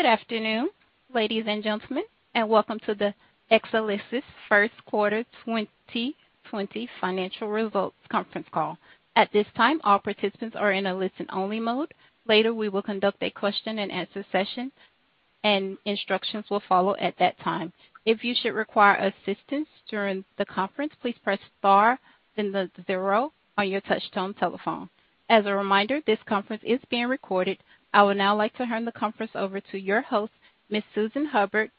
Good afternoon, ladies and gentlemen, and welcome to the Exelixis First Quarter 2020 Financial Results Conference Call. At this time, all participants are in a listen-only mode. Later, we will conduct a question-and-answer session, and instructions will follow at that time. If you should require assistance during the conference, please press star and then zero on your touch-tone telephone. As a reminder, this conference is being recorded. I would now like to hand the conference over to your host, Ms. Susan Hubbard,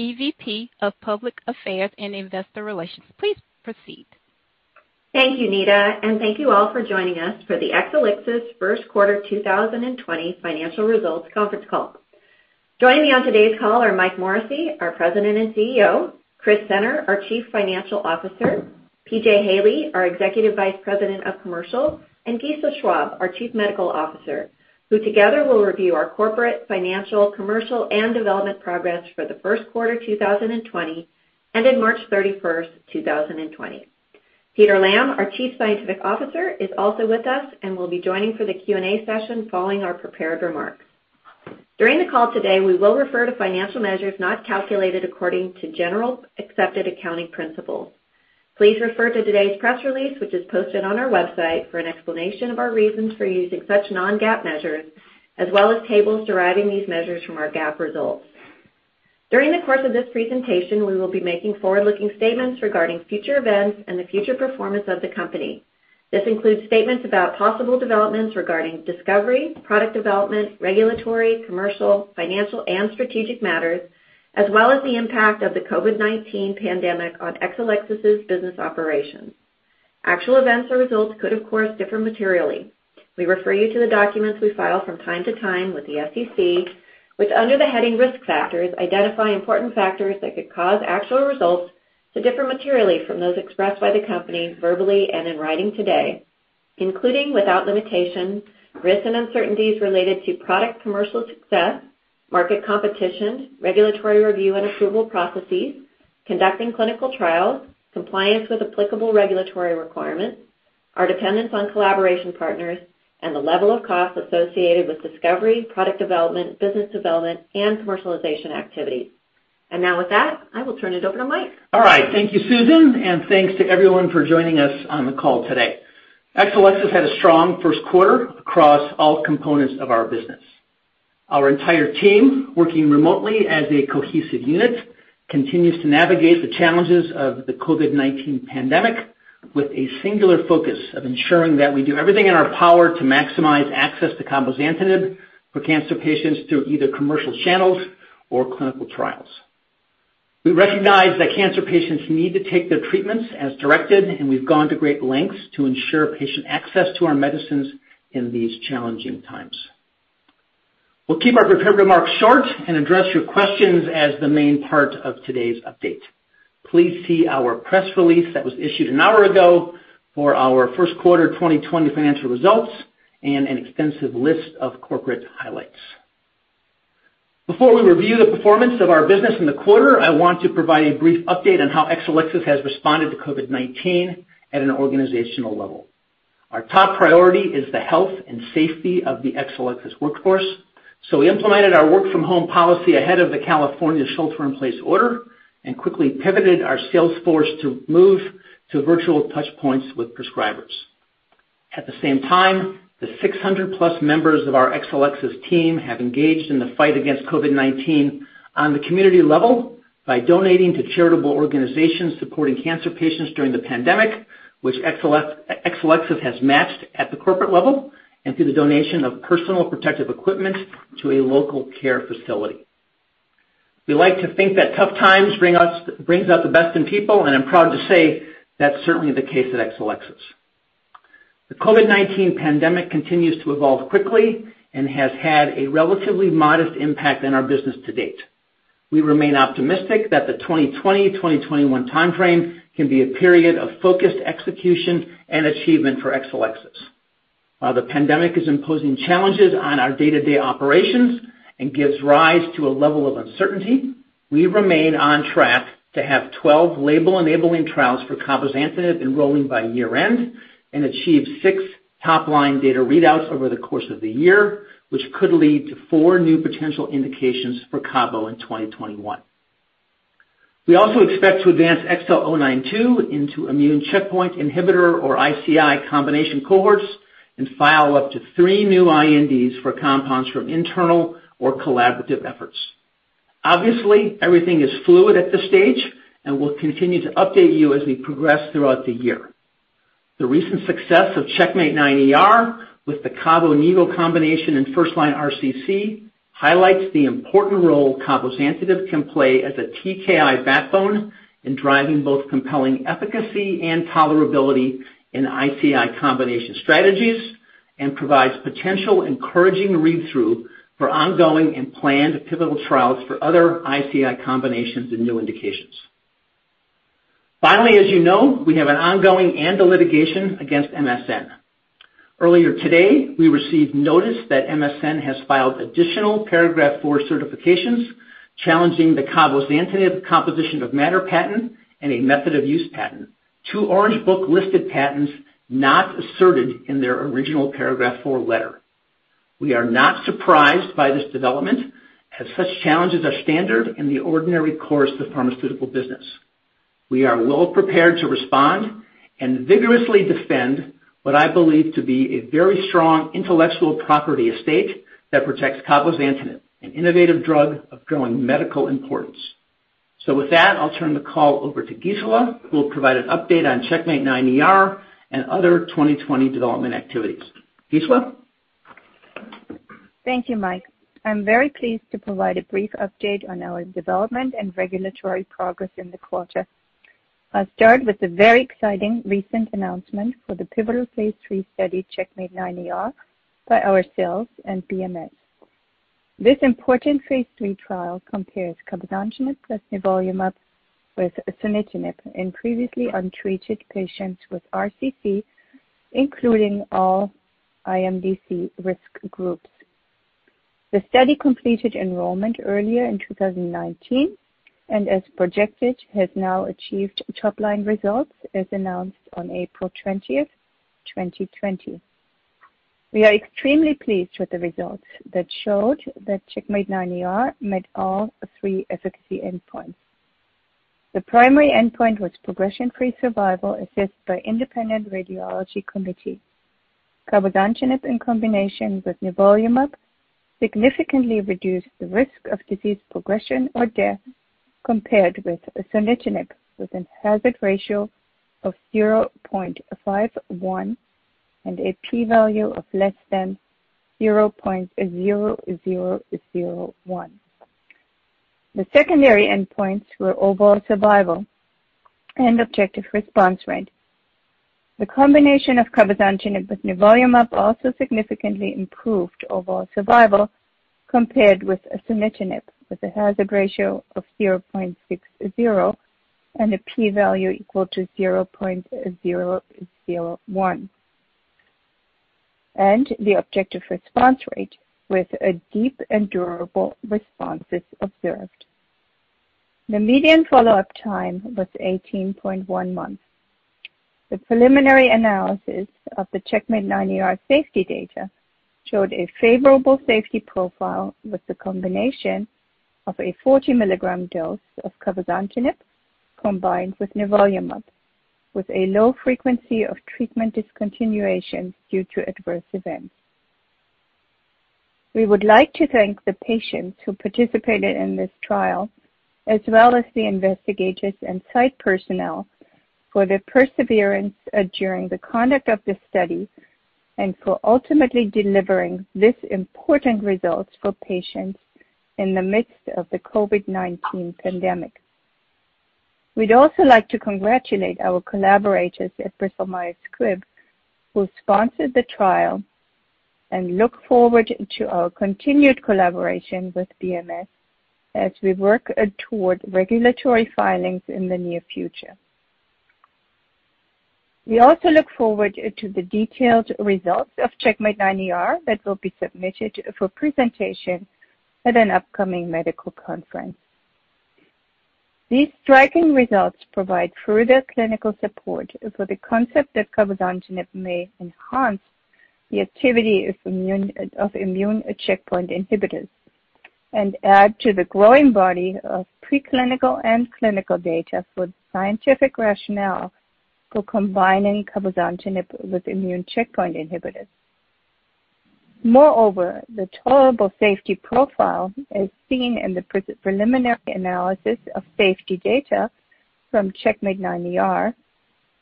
EVP of Public Affairs and Investor Relations. Please proceed. Thank you, Nita, and thank you all for joining us for the Exelixis First Quarter 2020 Financial Results Conference Call. Joining me on today's call are Mike Morrissey, our President and CEO, Chris Senner, our Chief Financial Officer, P.J. Haley, our Executive Vice President of Commercial, and Gisela Schwab, our Chief Medical Officer, who together will review our corporate, financial, commercial, and development progress for the first quarter 2020 ended March 31, 2020. Peter Lamb, our Chief Scientific Officer, is also with us and will be joining for the Q&A session following our prepared remarks. During the call today, we will refer to financial measures not calculated according to generally accepted accounting principles. Please refer to today's press release, which is posted on our website, for an explanation of our reasons for using such non-GAAP measures, as well as tables deriving these measures from our GAAP results. During the course of this presentation, we will be making forward-looking statements regarding future events and the future performance of the company. This includes statements about possible developments regarding discovery, product development, regulatory, commercial, financial, and strategic matters, as well as the impact of the COVID-19 pandemic on Exelixis's business operations. Actual events or results could, of course, differ materially. We refer you to the documents we file from time to time with the SEC, which, under the heading Risk Factors, identify important factors that could cause actual results to differ materially from those expressed by the company verbally and in writing today, including without limitation, risks and uncertainties related to product commercial success, market competition, regulatory review and approval processes, conducting clinical trials, compliance with applicable regulatory requirements, our dependence on collaboration partners, and the level of cost associated with discovery, product development, business development, and commercialization activities. And now, with that, I will turn it over to Mike. All right. Thank you, Susan, and thanks to everyone for joining us on the call today. Exelixis had a strong first quarter across all components of our business. Our entire team, working remotely as a cohesive unit, continues to navigate the challenges of the COVID-19 pandemic with a singular focus of ensuring that we do everything in our power to maximize access to cabozantinib for cancer patients through either commercial channels or clinical trials. We recognize that cancer patients need to take their treatments as directed, and we've gone to great lengths to ensure patient access to our medicines in these challenging times. We'll keep our prepared remarks short and address your questions as the main part of today's update. Please see our press release that was issued an hour ago for our first quarter 2020 financial results and an extensive list of corporate highlights. Before we review the performance of our business in the quarter, I want to provide a brief update on how Exelixis has responded to COVID-19 at an organizational level. Our top priority is the health and safety of the Exelixis workforce, so we implemented our work-from-home policy ahead of the California shelter-in-place order and quickly pivoted our sales force to move to virtual touchpoints with prescribers. At the same time, the 600-plus members of our Exelixis team have engaged in the fight against COVID-19 on the community level by donating to charitable organizations supporting cancer patients during the pandemic, which Exelixis has matched at the corporate level and through the donation of personal protective equipment to a local care facility. We like to think that tough times bring out the best in people, and I'm proud to say that's certainly the case at Exelixis. The COVID-19 pandemic continues to evolve quickly and has had a relatively modest impact on our business to date. We remain optimistic that the 2020-2021 timeframe can be a period of focused execution and achievement for Exelixis. While the pandemic is imposing challenges on our day-to-day operations and gives rise to a level of uncertainty, we remain on track to have 12 label-enabling trials for cabozantinib enrolling by year-end and achieve six top-line data readouts over the course of the year, which could lead to four new potential indications for cabozantinib in 2021. We also expect to advance XL092 into immune checkpoint inhibitor or ICI combination cohorts and file up to three new INDs for compounds from internal or collaborative efforts. Obviously, everything is fluid at this stage, and we'll continue to update you as we progress throughout the year. The recent success of CheckMate 9ER with the Cabo+Nivo combination and first-line RCC highlights the important role cabozantinib can play as a TKI backbone in driving both compelling efficacy and tolerability in ICI combination strategies and provides potential encouraging read-through for ongoing and planned pivotal trials for other ICI combinations and new indications. Finally, as you know, we have an ongoing litigation against MSN. Earlier today, we received notice that MSN has filed additional Paragraph IV certifications challenging the cabozantinib composition of matter patent and a method of use patent, two Orange Book-listed patents not asserted in their original Paragraph IV letter. We are not surprised by this development, as such challenges are standard in the ordinary course of pharmaceutical business. We are well prepared to respond and vigorously defend what I believe to be a very strong intellectual property estate that protects cabozantinib, an innovative drug of growing medical importance. So with that, I'll turn the call over to Gisela, who will provide an update on CheckMate 9ER and other 2020 development activities. Gisela? Thank you, Mike. I'm very pleased to provide a brief update on our development and regulatory progress in the quarter. I'll start with a very exciting recent announcement for the pivotal Phase III study, CheckMate 9ER, by ourselves and BMS. This important Phase III trial compares cabozantinib plus nivolumab with sunitinib in previously untreated patients with RCC, including all IMDC risk groups. The study completed enrollment earlier in 2019 and, as projected, has now achieved top-line results as announced on April 20, 2020. We are extremely pleased with the results that showed that CheckMate 9ER met all three efficacy endpoints. The primary endpoint was progression-free survival assessed by the Independent Radiology Committee. cabozantinib, in combination with nivolumab, significantly reduced the risk of disease progression or death compared with sunitinib, with a hazard ratio of 0.51 and a p-value of less than 0.0001. The secondary endpoints were overall survival and objective response rate. The combination of cabozantinib with nivolumab also significantly improved overall survival compared with sunitinib, with a hazard ratio of 0.60 and a p-value equal to 0.001, and the objective response rate with deep and durable responses observed. The median follow-up time was 18.1 months. The preliminary analysis of the CheckMate 9ER safety data showed a favorable safety profile with the combination of a 40-milligram dose of cabozantinib combined with nivolumab, with a low frequency of treatment discontinuation due to adverse events. We would like to thank the patients who participated in this trial, as well as the investigators and site personnel, for their perseverance during the conduct of this study and for ultimately delivering these important results for patients in the midst of the COVID-19 pandemic. We'd also like to congratulate our collaborators at Bristol Myers Squibb, who sponsored the trial, and look forward to our continued collaboration with BMS as we work toward regulatory filings in the near future. We also look forward to the detailed results of CheckMate 9ER that will be submitted for presentation at an upcoming medical conference. These striking results provide further clinical support for the concept that cabozantinib may enhance the activity of immune checkpoint inhibitors and add to the growing body of preclinical and clinical data for the scientific rationale for combining cabozantinib with immune checkpoint inhibitors. Moreover, the tolerable safety profile, as seen in the preliminary analysis of safety data from CheckMate 9ER,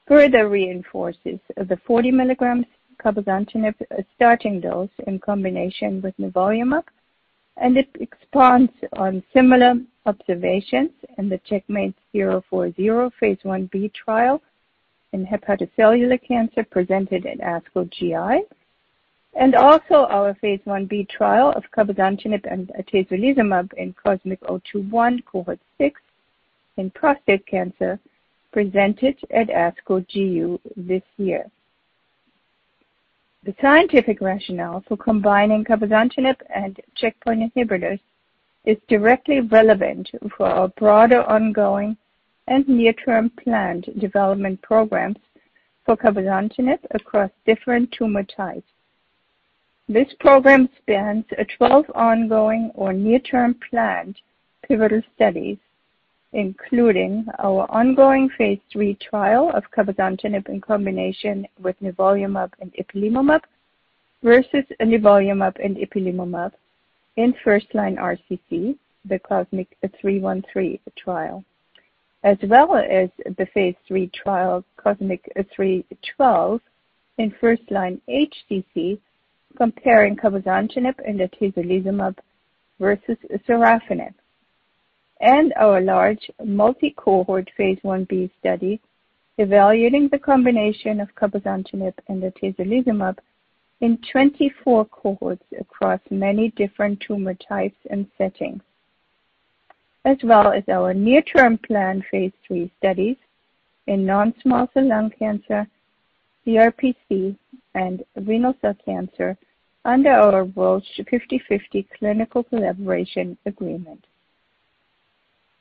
further reinforces the 40 mg cabozantinib starting dose in combination with nivolumab, and it responds on similar observations in the CheckMate 040 Phase 1b trial in hepatocellular cancer presented at ASCO GI, and also our Phase Ib trial of cabozantinib and atezolizumab in COSMIC-021 cohort six in prostate cancer presented at ASCO GU this year. The scientific rationale for combining cabozantinib and checkpoint inhibitors is directly relevant for our broader ongoing and near-term planned development programs for cabozantinib across different tumor types. This program spans 12 ongoing or near-term planned pivotal studies, including our ongoing Phase III trial of cabozantinib in combination with nivolumab and ipilimumab versus nivolumab and ipilimumab in first-line RCC, the COSMIC-313 trial, as well as the Phase III trial COSMIC-312 in first-line HCC comparing cabozantinib and atezolizumab versus sorafenib, and our large multi-cohort Phase Ib study evaluating the combination of cabozantinib and atezolizumab in 24 cohorts across many different tumor types and settings, as well as our near-term planned Phase III studies in non-small cell lung cancer, CRPC, and renal cell cancer under our Roche 50/50 clinical collaboration agreement.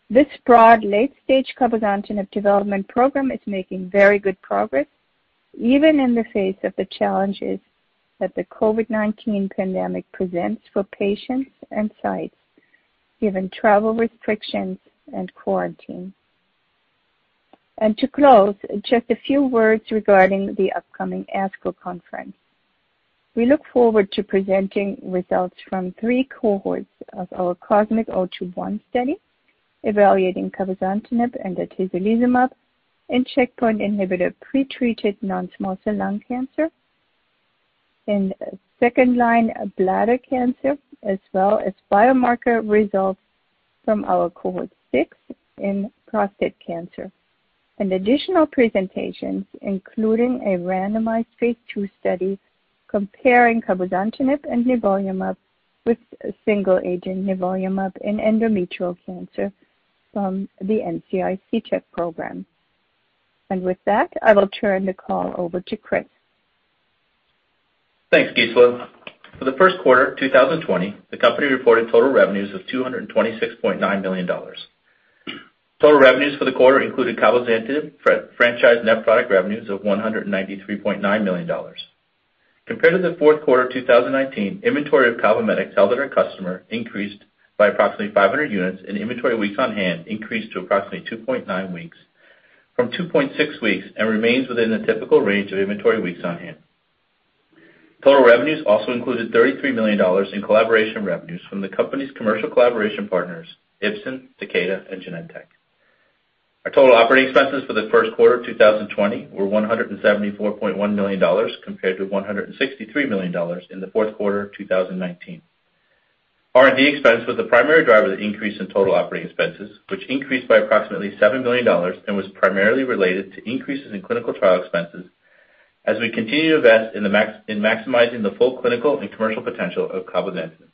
This broad late-stage cabozantinib development program is making very good progress, even in the face of the challenges that the COVID-19 pandemic presents for patients and sites, given travel restrictions and quarantine. To close, just a few words regarding the upcoming ASCO conference. We look forward to presenting results from three cohorts of our COSMIC-021 study evaluating cabozantinib and atezolizumab in checkpoint inhibitor pretreated non-small cell lung cancer, in second-line bladder cancer, as well as biomarker results from our cohort six in prostate cancer, and additional presentations, including a randomized Phase II study comparing cabozantinib and nivolumab with single-agent nivolumab in endometrial cancer from the NCI CheckMate program, and with that, I will turn the call over to Chris. Thanks, Gisela. For the first quarter of 2020, the company reported total revenues of $226.9 million. Total revenues for the quarter included cabozantinib franchise net product revenues of $193.9 million. Compared to the fourth quarter of 2019, inventory of Cabometyx held at our customer increased by approximately 500 units, and inventory weeks on hand increased to approximately 2.9 weeks from 2.6 weeks and remains within the typical range of inventory weeks on hand. Total revenues also included $33 million in collaboration revenues from the company's commercial collaboration partners, Ipsen, Takeda, and Genentech. Our total operating expenses for the first quarter of 2020 were $174.1 million compared to $163 million in the fourth quarter of 2019. R&D expense was the primary driver of the increase in total operating expenses, which increased by approximately $7 million and was primarily related to increases in clinical trial expenses as we continue to invest in maximizing the full clinical and commercial potential of cabozantinib.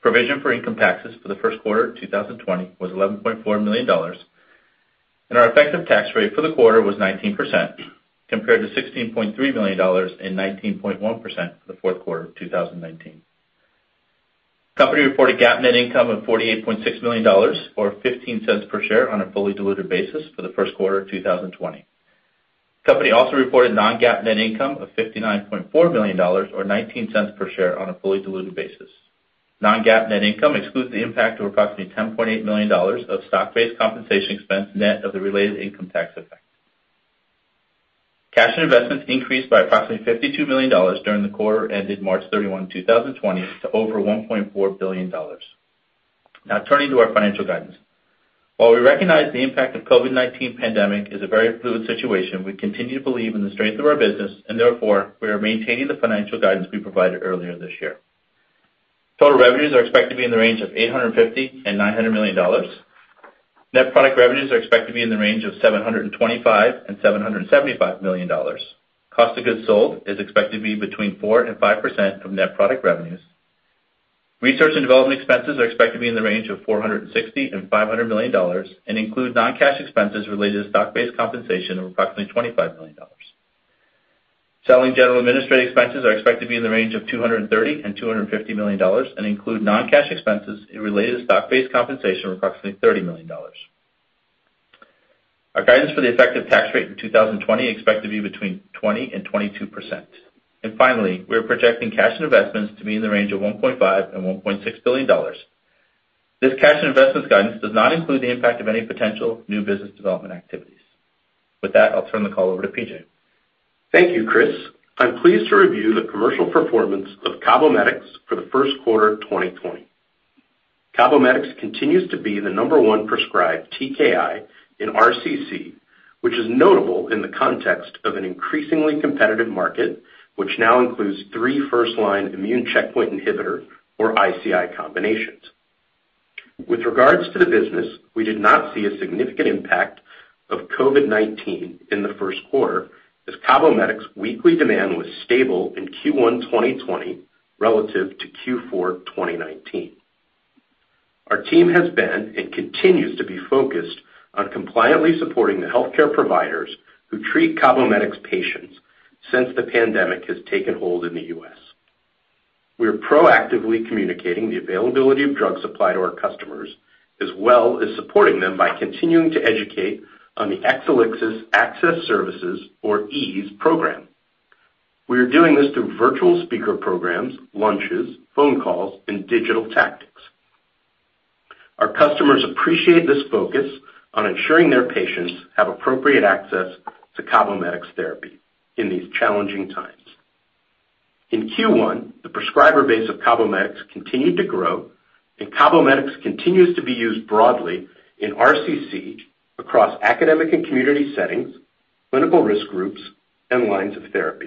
Provision for income taxes for the first quarter of 2020 was $11.4 million, and our effective tax rate for the quarter was 19% compared to $16.3 million and 19.1% for the fourth quarter of 2019. Company reported GAAP net income of $48.6 million, or $0.15 per share on a fully diluted basis for the first quarter of 2020. Company also reported non-GAAP net income of $59.4 million, or $0.19 per share on a fully diluted basis. Non-GAAP net income excludes the impact of approximately $10.8 million of stock-based compensation expense net of the related income tax effect. Cash and investments increased by approximately $52 million during the quarter ended March 31, 2020, to over $1.4 billion. Now turning to our financial guidance. While we recognize the impact of the COVID-19 pandemic is a very fluid situation, we continue to believe in the strength of our business, and therefore we are maintaining the financial guidance we provided earlier this year. Total revenues are expected to be in the range of $850-$900 million. Net product revenues are expected to be in the range of $725-$775 million. Cost of goods sold is expected to be between 4% and 5% of net product revenues. Research and development expenses are expected to be in the range of $460-$500 million and include non-cash expenses related to stock-based compensation of approximately $25 million. Selling general administrative expenses are expected to be in the range of $230-$250 million and include non-cash expenses related to stock-based compensation of approximately $30 million. Our guidance for the effective tax rate in 2020 is expected to be between 20%-22%. And finally, we are projecting cash and investments to be in the range of $1.5-$1.6 billion. This cash and investments guidance does not include the impact of any potential new business development activities. With that, I'll turn the call over to P.J. Thank you, Chris. I'm pleased to review the commercial performance of Cabometyx for the first quarter of 2020. Cabometyx continues to be the number one prescribed TKI in RCC, which is notable in the context of an increasingly competitive market, which now includes three first-line immune checkpoint inhibitor, or ICI, combinations. With regards to the business, we did not see a significant impact of COVID-19 in the first quarter, as Cabometyx's weekly demand was stable in Q1 2020 relative to Q4 2019. Our team has been and continues to be focused on compliantly supporting the healthcare providers who treat Cabometyx patients since the pandemic has taken hold in the U.S. We are proactively communicating the availability of drug supply to our customers, as well as supporting them by continuing to educate on the Exelixis Access Services, or EASE, program. We are doing this through virtual speaker programs, lunches, phone calls, and digital tactics. Our customers appreciate this focus on ensuring their patients have appropriate access to Cabometyx therapy in these challenging times. In Q1, the prescriber base of Cabometyx continued to grow, and Cabometyx continues to be used broadly in RCC across academic and community settings, clinical risk groups, and lines of therapy.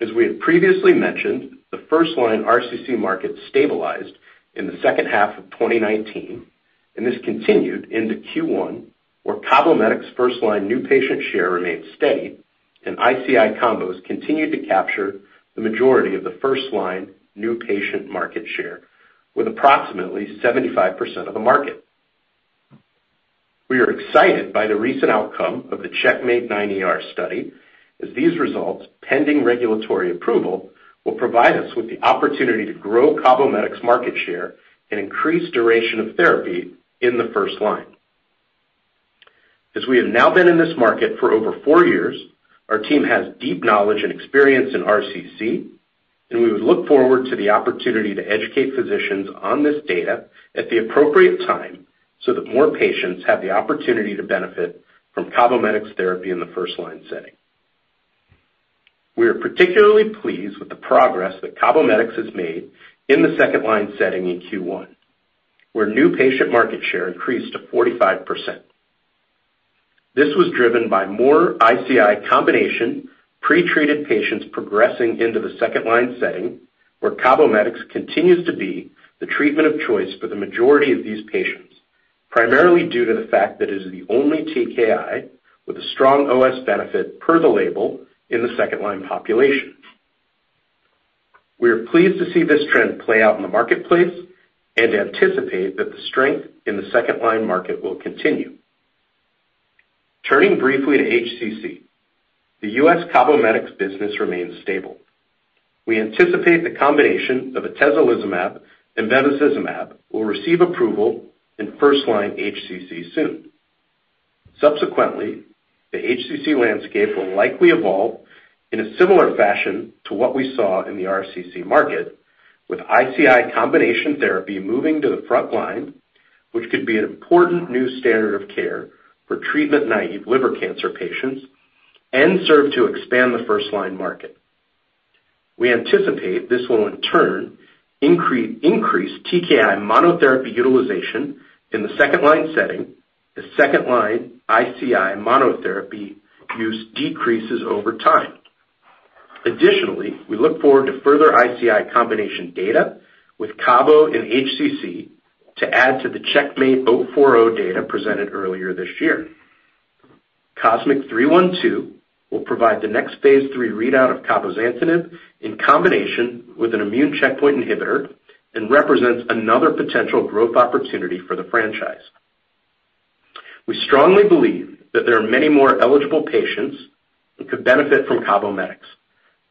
As we had previously mentioned, the first-line RCC market stabilized in the second half of 2019, and this continued into Q1, where Cabometyx's first-line new patient share remained steady, and ICI combos continued to capture the majority of the first-line new patient market share with approximately 75% of the market. We are excited by the recent outcome of the CheckMate 9ER study, as these results, pending regulatory approval, will provide us with the opportunity to grow Cabometyx's market share and increase duration of therapy in the first line. As we have now been in this market for over four years, our team has deep knowledge and experience in RCC, and we would look forward to the opportunity to educate physicians on this data at the appropriate time so that more patients have the opportunity to benefit from Cabometyx therapy in the first-line setting. We are particularly pleased with the progress that Cabometyx has made in the second-line setting in Q1, where new patient market share increased to 45%. This was driven by more ICI combination pretreated patients progressing into the second-line setting, where Cabometyx continues to be the treatment of choice for the majority of these patients, primarily due to the fact that it is the only TKI with a strong OS benefit per the label in the second-line population. We are pleased to see this trend play out in the marketplace and anticipate that the strength in the second-line market will continue. Turning briefly to HCC, the US Cabometyx business remains stable. We anticipate the combination of atezolizumab and bevacizumab will receive approval in first-line HCC soon. Subsequently, the HCC landscape will likely evolve in a similar fashion to what we saw in the RCC market, with ICI combination therapy moving to the front line, which could be an important new standard of care for treatment-naive liver cancer patients and serve to expand the first-line market. We anticipate this will, in turn, increase TKI monotherapy utilization in the second-line setting as second-line ICI monotherapy use decreases over time. Additionally, we look forward to further ICI combination data with Cabometyx in HCC to add to the CheckMate 040 data presented earlier this year. COSMIC-312 will provide the next Phase III readout of cabozantinib in combination with an immune checkpoint inhibitor and represents another potential growth opportunity for the franchise. We strongly believe that there are many more eligible patients who could benefit from Cabometyx.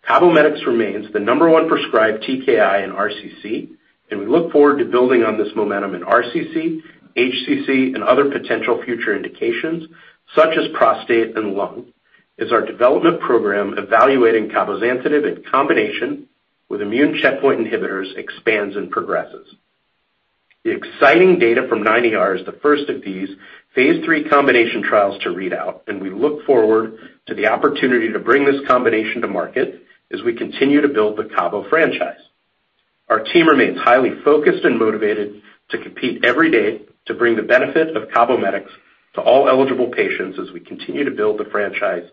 Cabometyx remains the number one prescribed TKI in RCC, and we look forward to building on this momentum in RCC, HCC, and other potential future indications such as prostate and lung as our development program evaluating cabozantinib in combination with immune checkpoint inhibitors expands and progresses. The exciting data from 9ER is the first of these Phase III combination trials to read out, and we look forward to the opportunity to bring this combination to market as we continue to build the Cabometyx franchise. Our team remains highly focused and motivated to compete every day to bring the benefit of Cabometyx to all eligible patients as we continue to build the franchise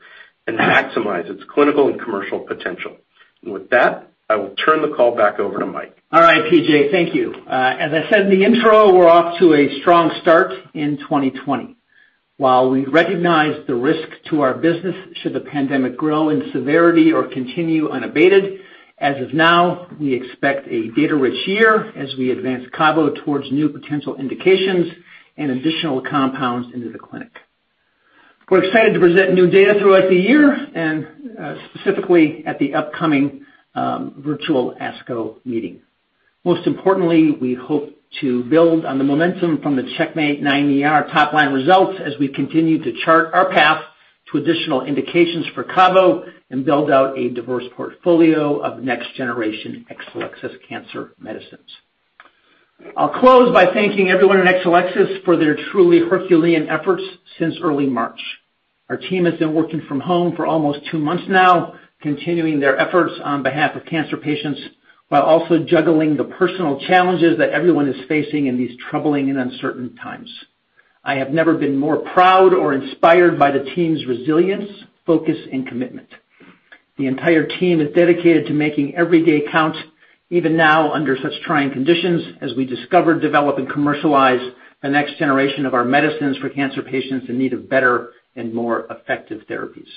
and maximize its clinical and commercial potential, and with that, I will turn the call back over to Mike. All right, P.J., thank you. As I said in the intro, we're off to a strong start in 2020. While we recognize the risk to our business should the pandemic grow in severity or continue unabated, as of now, we expect a data-rich year as we advance Combo towards new potential indications and additional compounds into the clinic. We're excited to present new data throughout the year and specifically at the upcoming virtual ASCO meeting. Most importantly, we hope to build on the momentum from the CheckMate 9ER top-line results as we continue to chart our path to additional indications for Combo and build out a diverse portfolio of next-generation Exelixis cancer medicines. I'll close by thanking everyone at Exelixis for their truly Herculean efforts since early March. Our team has been working from home for almost two months now, continuing their efforts on behalf of cancer patients while also juggling the personal challenges that everyone is facing in these troubling and uncertain times. I have never been more proud or inspired by the team's resilience, focus, and commitment. The entire team is dedicated to making every day count, even now under such trying conditions as we discover, develop, and commercialize the next generation of our medicines for cancer patients in need of better and more effective therapies.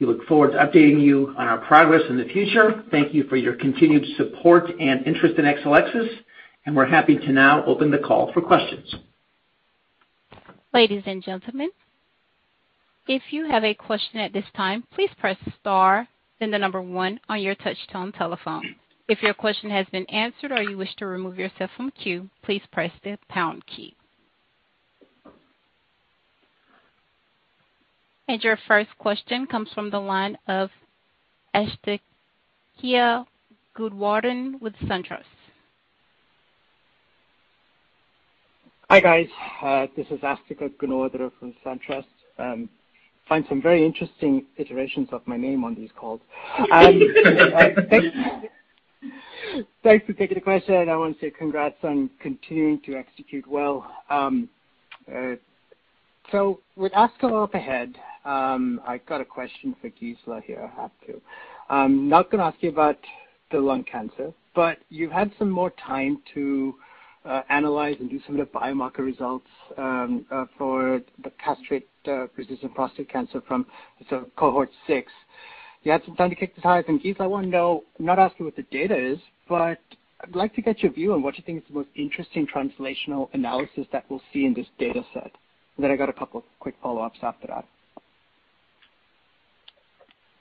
We look forward to updating you on our progress in the future. Thank you for your continued support and interest in Exelixis, and we're happy to now open the call for questions. Ladies and gentlemen, if you have a question at this time, please press star, then the number one on your touch-tone telephone. If your question has been answered or you wish to remove yourself from queue, please press the pound key. And your first question comes from the line of Asthika Goonewardene with SunTrust. Hi guys, this is Asthika Goonewardene from SunTrust. I find some very interesting iterations of my name on these calls. Thanks for taking the question. I want to say congrats on continuing to execute well. So with ASCO up ahead, I got a question for Gisela here. I have to. I'm not going to ask you about the lung cancer, but you've had some more time to analyze and do some of the biomarker results for the castration-resistant prostate cancer from cohort six. You had some time to kick the tires. And Gisela, I want to know, not ask you what the data is, but I'd like to get your view on what you think is the most interesting translational analysis that we'll see in this data set. And then I got a couple of quick follow-ups after that.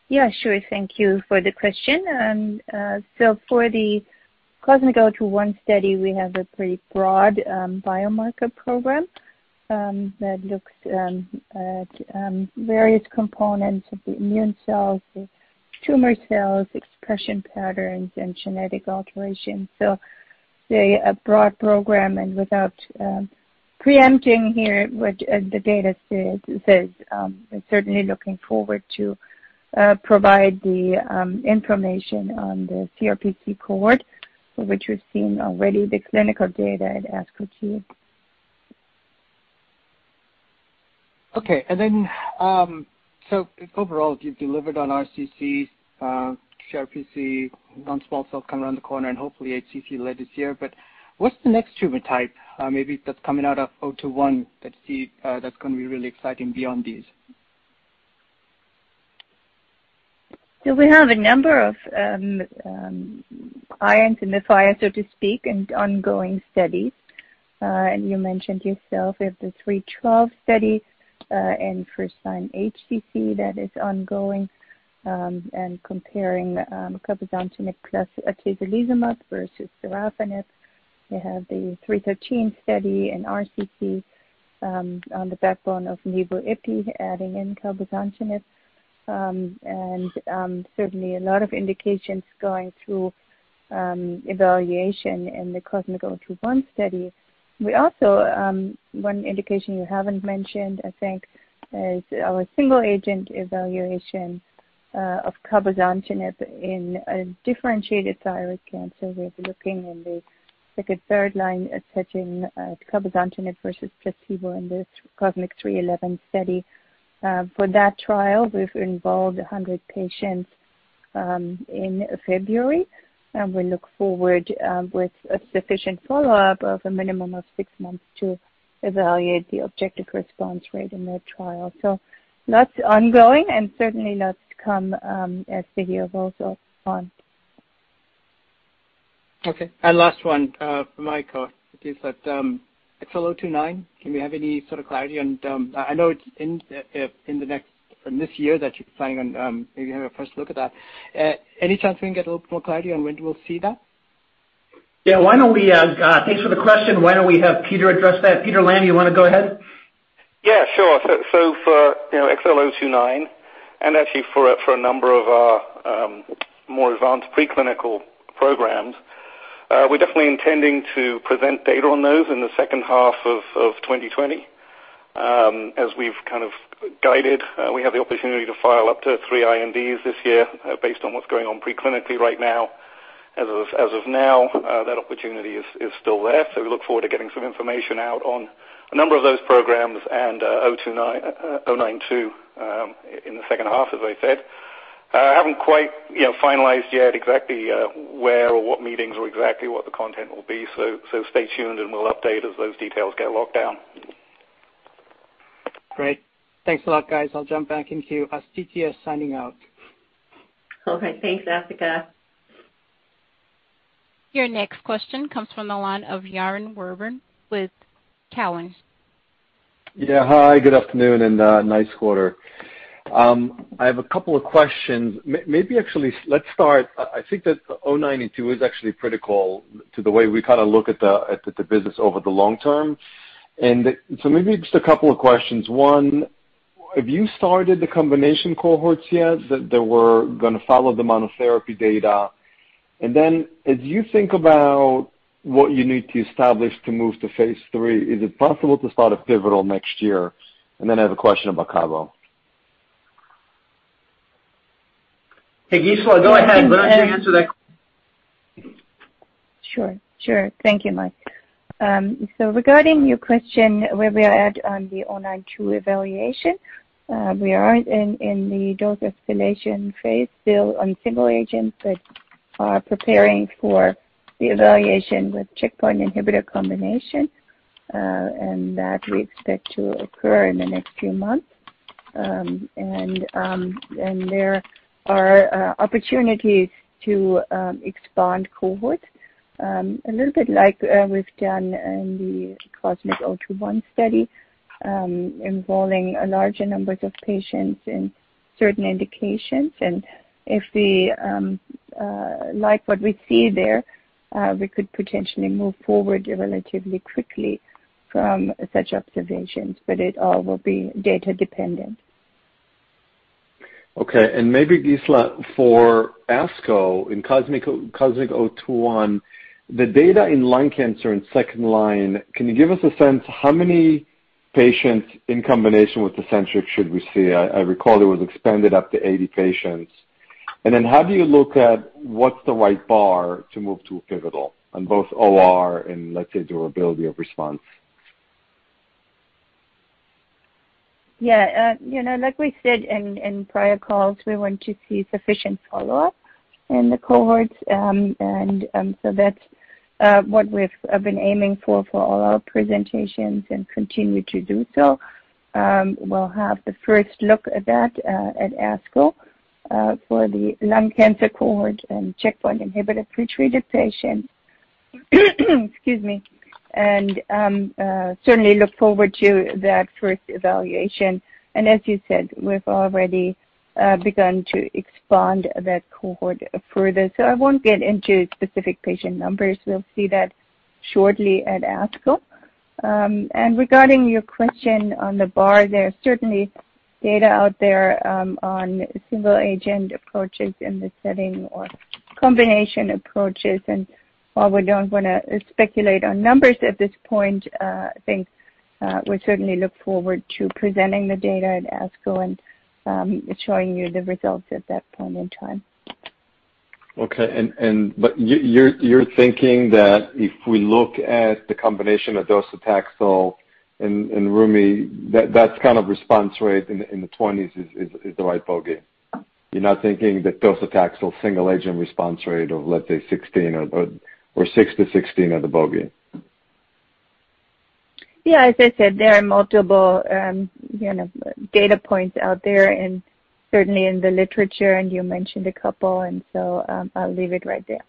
Yeah, sure. Thank you for the question. So for the COSMIC-021 study, we have a pretty broad biomarker program that looks at various components of the immune cells, the tumor cells, expression patterns, and genetic alterations. So a broad program and without preempting here what the data says, certainly looking forward to provide the information on the CRPC cohort, which we've seen already, the clinical data at ASCO GU. Okay. And then, so overall, you've delivered on RCC, CRPC, non-small cell lung cancer coming around the corner, and hopefully HCC late this year. But what's the next tumor type maybe that's coming out of 021 that's going to be really exciting beyond these? We have a number of irons in the fire, so to speak, and ongoing studies. You mentioned yourself, we have the COSMIC-312 study in first-line HCC that is ongoing and comparing cabozantinib plus atezolizumab versus sorafenib. We have the COSMIC-313 study in RCC on the backbone of Nivo Ipi, adding in cabozantinib. Certainly a lot of indications going through evaluation in the COSMIC-021 study. We also have one indication you haven't mentioned, I think, is our single-agent evaluation of cabozantinib in differentiated thyroid cancer. We're looking in the second- and third-line setting at cabozantinib versus placebo in the COSMIC-311 study. For that trial, we've enrolled 100 patients in February, and we look forward with sufficient follow-up of a minimum of six months to evaluate the objective response rate in that trial. Lots ongoing and certainly lots to come as the year rolls on. Okay, and last one for my part, Gisela. It's a 029. Can we have any sort of clarity on, I know it's in the next this year that you're planning on maybe having a first look at that? Any chance we can get a little more clarity on when we'll see that? Yeah. Thanks for the question. Why don't we have Peter address that? Peter Lamb, you want to go ahead? Yeah, sure. So for XL092 and actually for a number of our more advanced preclinical programs, we're definitely intending to present data on those in the second half of 2020 as we've kind of guided. We have the opportunity to file up to three INDs this year based on what's going on preclinically right now. As of now, that opportunity is still there. So we look forward to getting some information out on a number of those programs and XL092 in the second half, as I said. I haven't quite finalized yet exactly where or what meetings or exactly what the content will be. So stay tuned and we'll update as those details get locked down. Great. Thanks a lot, guys. I'll jump back in queue. CTS signing out. Okay. Thanks, Asthika. Your next question comes from the line of Yaron Werber with Cowen. Yeah. Hi, good afternoon, and nice quarter. I have a couple of questions. Maybe actually let's start. I think that 092 is actually critical to the way we kind of look at the business over the long term. And so maybe just a couple of questions. One, have you started the combination cohorts yet that we're going to follow the monotherapy data? And then as you think about what you need to establish to move to Phase III, is it possible to start a pivotal next year? And then I have a question about Combo. Hey, Gisela, go ahead. Let her answer that question. Sure. Sure. Thank you, Mike. So regarding your question, where we are at on the XL092 evaluation, we are in the dose escalation phase still on single agents that are preparing for the evaluation with checkpoint inhibitor combination and that we expect to occur in the next few months. And there are opportunities to expand cohorts a little bit like we've done in the COSMIC-021 study involving a larger number of patients in certain indications. And if we like what we see there, we could potentially move forward relatively quickly from such observations, but it all will be data dependent. Okay. And maybe, Gisela, for ASCO in COSMIC-021, the data in lung cancer in second line, can you give us a sense how many patients in combination with Tecentriq should we see? I recall it was expanded up to 80 patients. And then how do you look at what's the right bar to move to a pivotal on both ORR and, let's say, durability of response? Yeah. Like we said in prior calls, we want to see sufficient follow-up in the cohorts. And so that's what we've been aiming for for all our presentations and continue to do so. We'll have the first look at that at ASCO for the lung cancer cohort and checkpoint inhibitor pretreated patients. Excuse me. And certainly look forward to that first evaluation. And as you said, we've already begun to expand that cohort further. So I won't get into specific patient numbers. We'll see that shortly at ASCO. And regarding your question on the bar, there's certainly data out there on single agent approaches in the setting or combination approaches. And while we don't want to speculate on numbers at this point, I think we certainly look forward to presenting the data at ASCO and showing you the results at that point in time. Okay. But you're thinking that if we look at the combination of docetaxel and ramucirumab, that's kind of response rate in the 20s is the right bogey. You're not thinking that docetaxel, single agent response rate of, let's say, 16 or six to 16 of the bogey? Yeah. As I said, there are multiple data points out there and certainly in the literature, and you mentioned a couple. And so I'll leave it right there.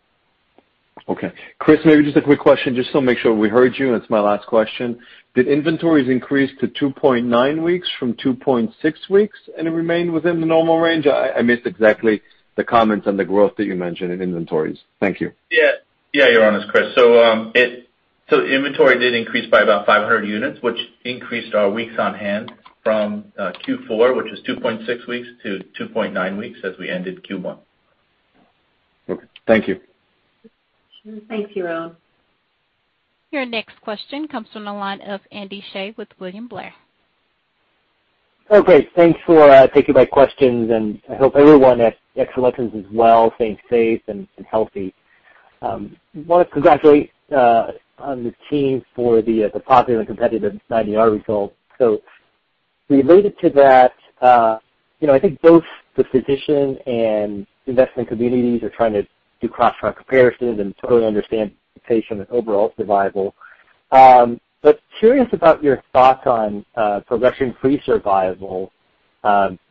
Okay. Chris, maybe just a quick question just to make sure we heard you. It's my last question. Did inventories increase to 2.9 weeks from 2.6 weeks and it remained within the normal range? I missed exactly the comments on the growth that you mentioned in inventories. Thank you. Yeah. Yeah, Yaron, it's Chris. So inventory did increase by about 500 units, which increased our weeks on hand from Q4, which was 2.6 weeks to 2.9 weeks as we ended Q1. Okay. Thank you. Thanks, Yaron. Your next question comes from the line of Andy Hsieh with William Blair. Oh, great. Thanks for taking my questions. And I hope everyone at Exelixis as well stays safe and healthy. I want to congratulate the team for the impressive and competitive 9ER result. So related to that, I think both the physician and investment communities are trying to do cross-trial comparisons and to fully understand the data on overall survival. But curious about your thoughts on progression-free survival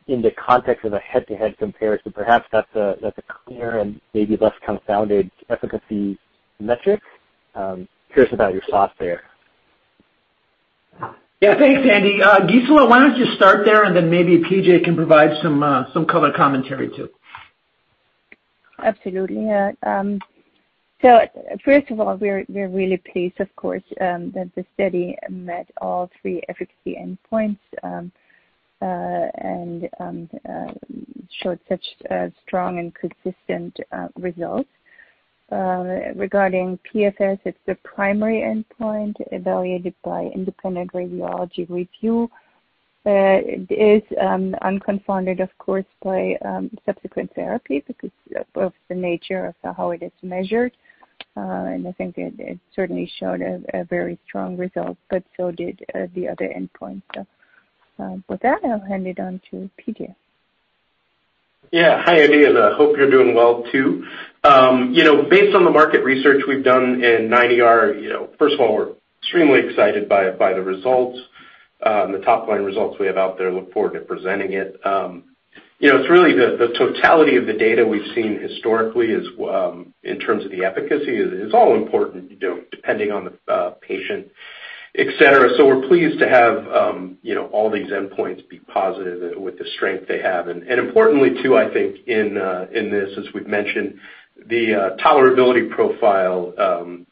in the context of a head-to-head comparison. Perhaps that's a clear and maybe less confounded efficacy metric. Curious about your thoughts there. Yeah. Thanks, Andy. Gisela, why don't you start there and then maybe P.J can provide some color commentary too? Absolutely. So first of all, we're really pleased, of course, that the study met all three efficacy endpoints and showed such strong and consistent results. Regarding PFS, it's the primary endpoint evaluated by independent radiology review. It is unconfounded, of course, by subsequent therapy because of the nature of how it is measured. And I think it certainly showed a very strong result, but so did the other endpoints. With that, I'll hand it on to P.J. Yeah. Hi, Andy, and I hope you're doing well too. Based on the market research we've done in CheckMate 9ER, first of all, we're extremely excited by the results, the top-line results we have out there. Look forward to presenting it. It's really the totality of the data we've seen historically in terms of the efficacy. It's all important depending on the patient, etc. So we're pleased to have all these endpoints be positive with the strength they have. And importantly too, I think in this, as we've mentioned, the tolerability profile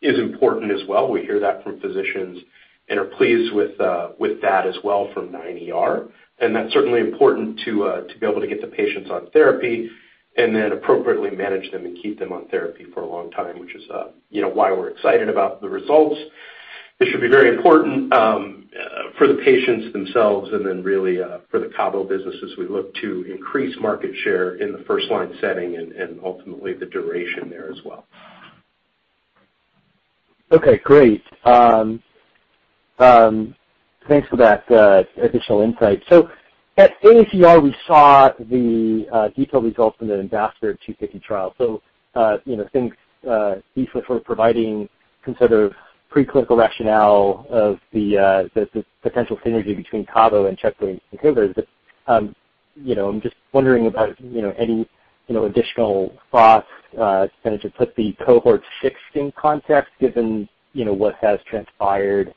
is important as well. We hear that from physicians and are pleased with that as well from CheckMate 9ER. And that's certainly important to be able to get the patients on therapy and then appropriately manage them and keep them on therapy for a long time, which is why we're excited about the results. It should be very important for the patients themselves and then really for the Cabo business as we look to increase market share in the first-line setting and ultimately the duration there as well. Okay. Great. Thanks for that additional insight. So at ASCO GU, we saw the detailed results from the IMbassador250 trial. So thanks, Gisela, for providing some sort of preclinical rationale of the potential synergy between Cabo and checkpoint inhibitors. I'm just wondering about any additional thoughts to put the cohort 6 in context given what has transpired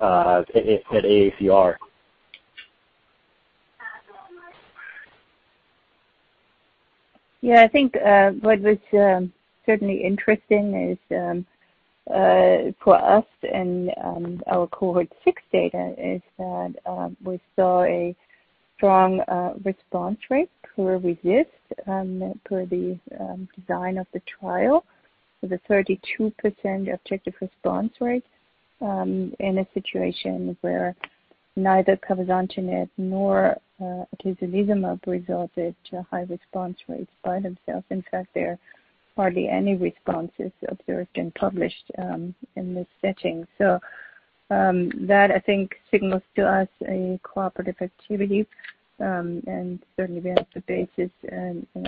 at ASCO GU. Yeah. I think what was certainly interesting for us and our cohort 6 data is that we saw a strong response rate for RECIST per the design of the trial. So the 32% objective response rate in a situation where neither cabozantinib nor atezolizumab resulted in high response rates by themselves. In fact, there are hardly any responses observed and published in this setting. So that, I think, signals to us a cooperative activity. And certainly, we have the basis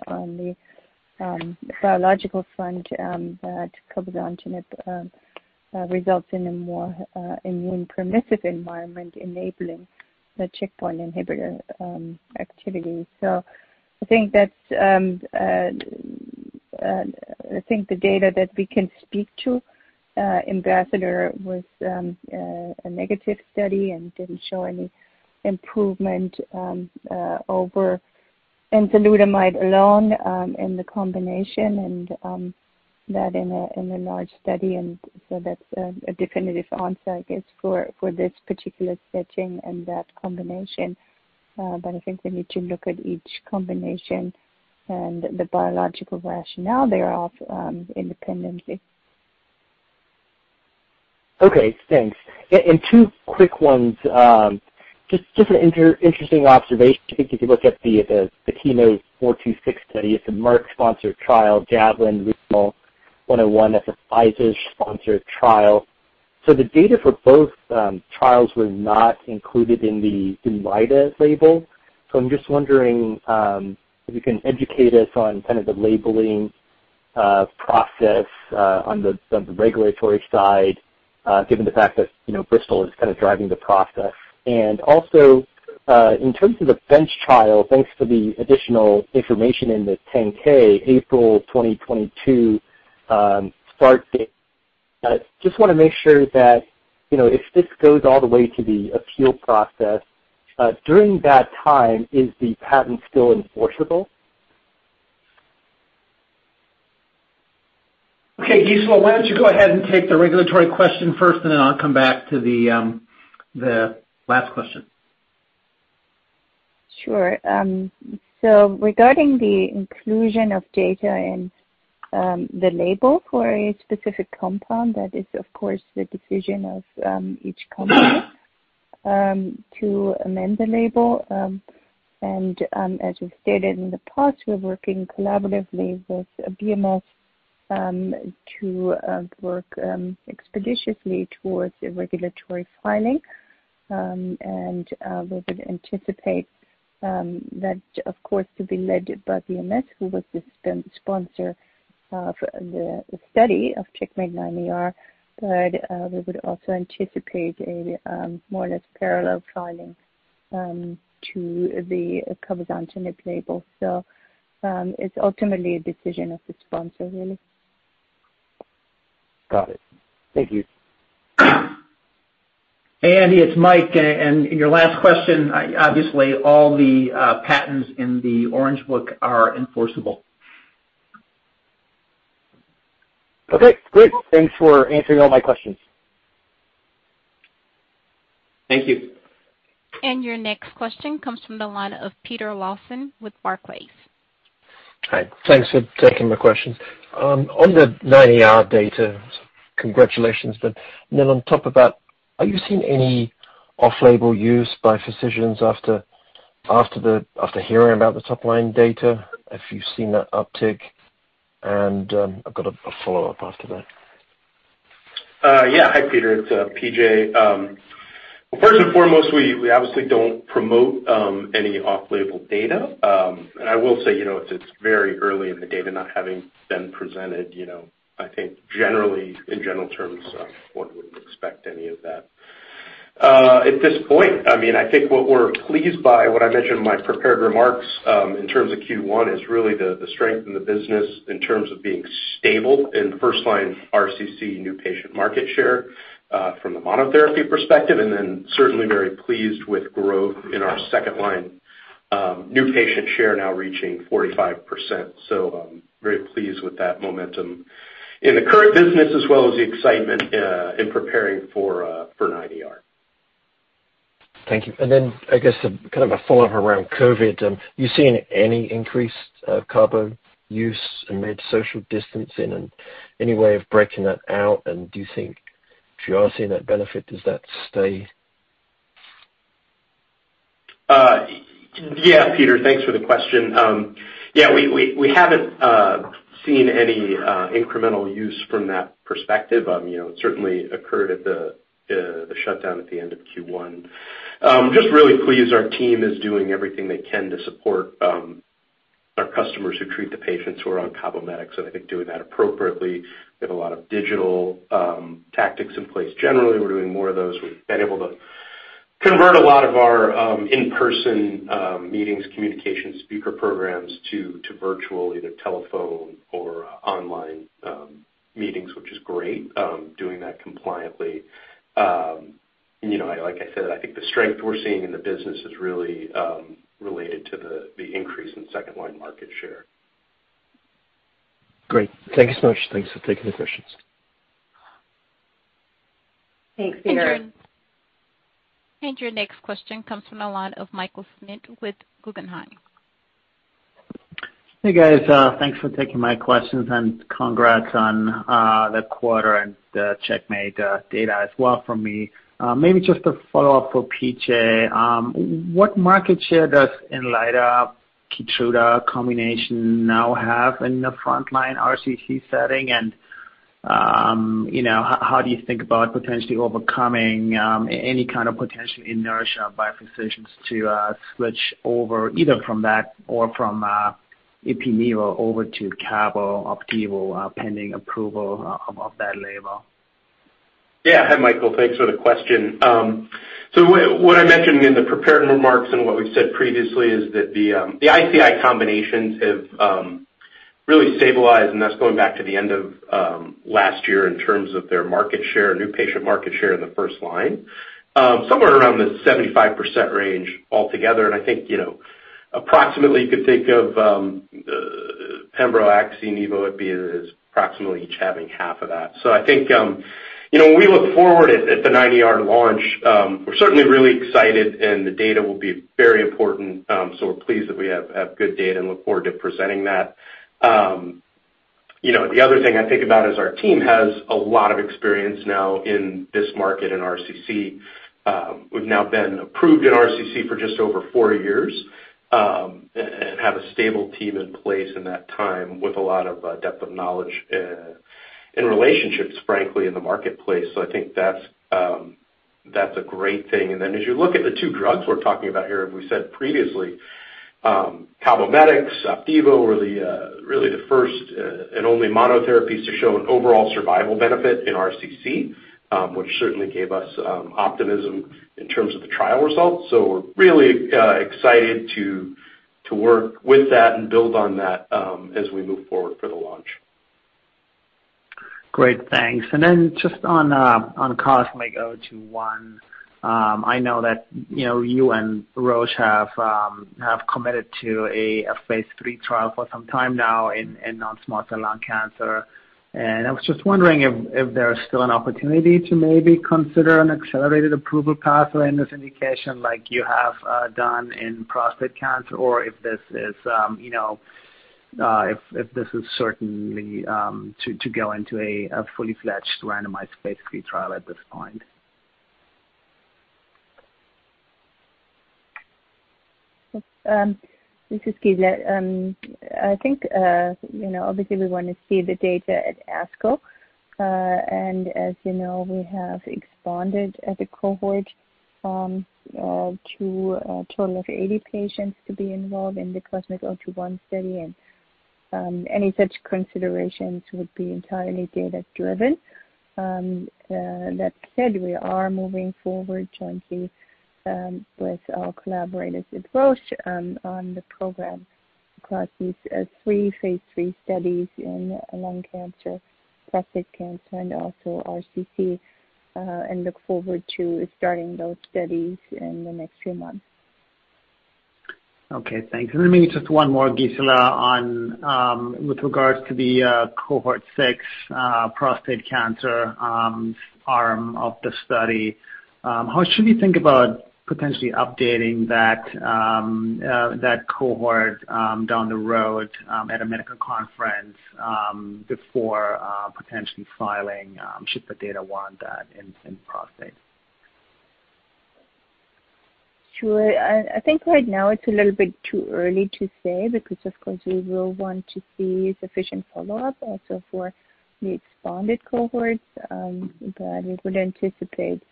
on the biological front that cabozantinib results in a more immune-permissive environment enabling the checkpoint inhibitor activity. So I think that's I think the data that we can speak to. IMbassador was a negative study and didn't show any improvement over enzalutamide alone in the combination and that in a large study. And so that's a definitive answer, I guess, for this particular setting and that combination. But I think we need to look at each combination and the biological rationale thereof independently. Okay. Thanks. And two quick ones. Just an interesting observation. If you look at the KEYNOTE-426 study, it's a Merck-sponsored trial, JAVELIN Renal 101, that's a Pfizer-sponsored trial. So the data for both trials were not included in the latest label. So I'm just wondering if you can educate us on kind of the labeling process on the regulatory side given the fact that Bristol is kind of driving the process. And also, in terms of the bench trial, thanks for the additional information in the 10-K, April 2022 start date. Just want to make sure that if this goes all the way to the appeal process, during that time, is the patent still enforceable? Okay. Gisela, why don't you go ahead and take the regulatory question first, and then I'll come back to the last question. Sure. So regarding the inclusion of data in the label for a specific compound, that is, of course, the decision of each company to amend the label. And as we've stated in the past, we're working collaboratively with BMS to work expeditiously towards regulatory filing. And we would anticipate that, of course, to be led by BMS, who was the sponsor of the study of CheckMate 9ER. But we would also anticipate a more or less parallel filing to the cabozantinib label. So it's ultimately a decision of the sponsor, really. Got it. Thank you. Hey, Andy. It's Mike. And your last question, obviously, all the patents in the Orange Book are enforceable. Okay. Great. Thanks for answering all my questions. Thank you. Your next question comes from the line of Peter Lawson with Barclays. Hi. Thanks for taking my questions. On the 9ER data, congratulations. But then on top of that, have you seen any off-label use by physicians after hearing about the top-line data? Have you seen that uptick? And I've got a follow-up after that. Yeah. Hi, Peter. It's P.J. First and foremost, we obviously don't promote any off-label data. And I will say, it's very early in the data not having been presented. I think generally, in general terms, one wouldn't expect any of that at this point. I mean, I think what we're pleased by, what I mentioned in my prepared remarks in terms of Q1, is really the strength in the business in terms of being stable in first-line RCC new patient market share from the monotherapy perspective. And then certainly very pleased with growth in our second-line new patient share now reaching 45%. So very pleased with that momentum in the current business as well as the excitement in preparing for the launch. Thank you. And then I guess kind of a follow-up around COVID. Have you seen any increase of Cabo use amid social distancing and any way of breaking that out? And do you think if you are seeing that benefit, does that stay? Yeah, Peter. Thanks for the question. Yeah. We haven't seen any incremental use from that perspective. It certainly occurred at the shutdown at the end of Q1. Just really pleased. Our team is doing everything they can to support our customers who treat the patients who are on Cabometyx and I think doing that appropriately. We have a lot of digital tactics in place generally. We're doing more of those. We've been able to convert a lot of our in-person meetings, communication, speaker programs to virtual, either telephone or online meetings, which is great, doing that compliantly. And like I said, I think the strength we're seeing in the business is really related to the increase in second-line market share. Great. Thank you so much. Thanks for taking the questions. Thanks, Peter. And your next question comes from the line of Michael Schmidt with Guggenheim. Hey, guys. Thanks for taking my questions. And congrats on the quarter and CheckMate data as well from me. Maybe just a follow-up for PJ. What market share does Inlyta Keytruda combination now have in the front-line RCC setting? And how do you think about potentially overcoming any kind of potential inertia by physicians to switch over either from that or from Ipi-Nivo over to Cabo+Opdivo pending approval of that label? Yeah. Hi, Michael. Thanks for the question. So what I mentioned in the prepared remarks and what we've said previously is that the ICI combinations have really stabilized, and that's going back to the end of last year in terms of their market share, new patient market share in the first line, somewhere around the 75% range altogether. And I think approximately you could think of pembrolizumab and Opdivo as approximately each having half of that. So I think when we look forward at the Q4 launch, we're certainly really excited, and the data will be very important. So we're pleased that we have good data and look forward to presenting that. The other thing I think about is our team has a lot of experience now in this market in RCC. We've now been approved in RCC for just over four years and have a stable team in place in that time with a lot of depth of knowledge and relationships, frankly, in the marketplace. So I think that's a great thing. And then as you look at the two drugs we're talking about here, as we said previously, Cabometyx, Opdivo were really the first and only monotherapies to show an overall survival benefit in RCC, which certainly gave us optimism in terms of the trial results. So we're really excited to work with that and build on that as we move forward for the launch. Great. Thanks. And then just on cost, maybe I'll go to one. I know that you and Roche have committed to a Phase III trial for some time now in non-small cell lung cancer. And I was just wondering if there's still an opportunity to maybe consider an accelerated approval pathway in this indication like you have done in prostate cancer or if this is certainly to go into a full-fledged randomized Phase III trial at this point. This is Gisela. I think obviously we want to see the data at ASCO. And as you know, we have expanded the cohort to a total of 80 patients to be involved in the COSMIC-021 study. And any such considerations would be entirely data-driven. That said, we are moving forward jointly with our collaborators at Roche on the program across these three Phase III studies in lung cancer, prostate cancer, and also RCC, and look forward to starting those studies in the next few months. Okay. Thanks. And then maybe just one more, Gisela, with regards to the cohort 6 prostate cancer arm of the study. How should we think about potentially updating that cohort down the road at a medical conference before potentially filing should the data warrant that in prostate? Sure. I think right now it's a little bit too early to say because, of course, we will want to see sufficient follow-up also for the expanded cohorts, but we would anticipate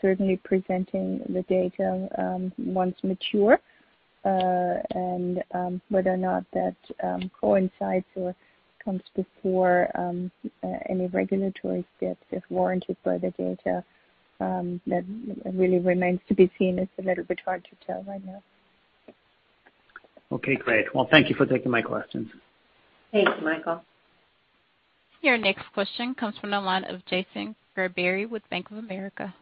certainly presenting the data once mature, and whether or not that coincides or comes before any regulatory steps as warranted by the data, that really remains to be seen. It's a little bit hard to tell right now. Okay. Great. Well, thank you for taking my questions. Thank you, Michael. Your next question comes from the line of Jason Gerberry with Bank of America.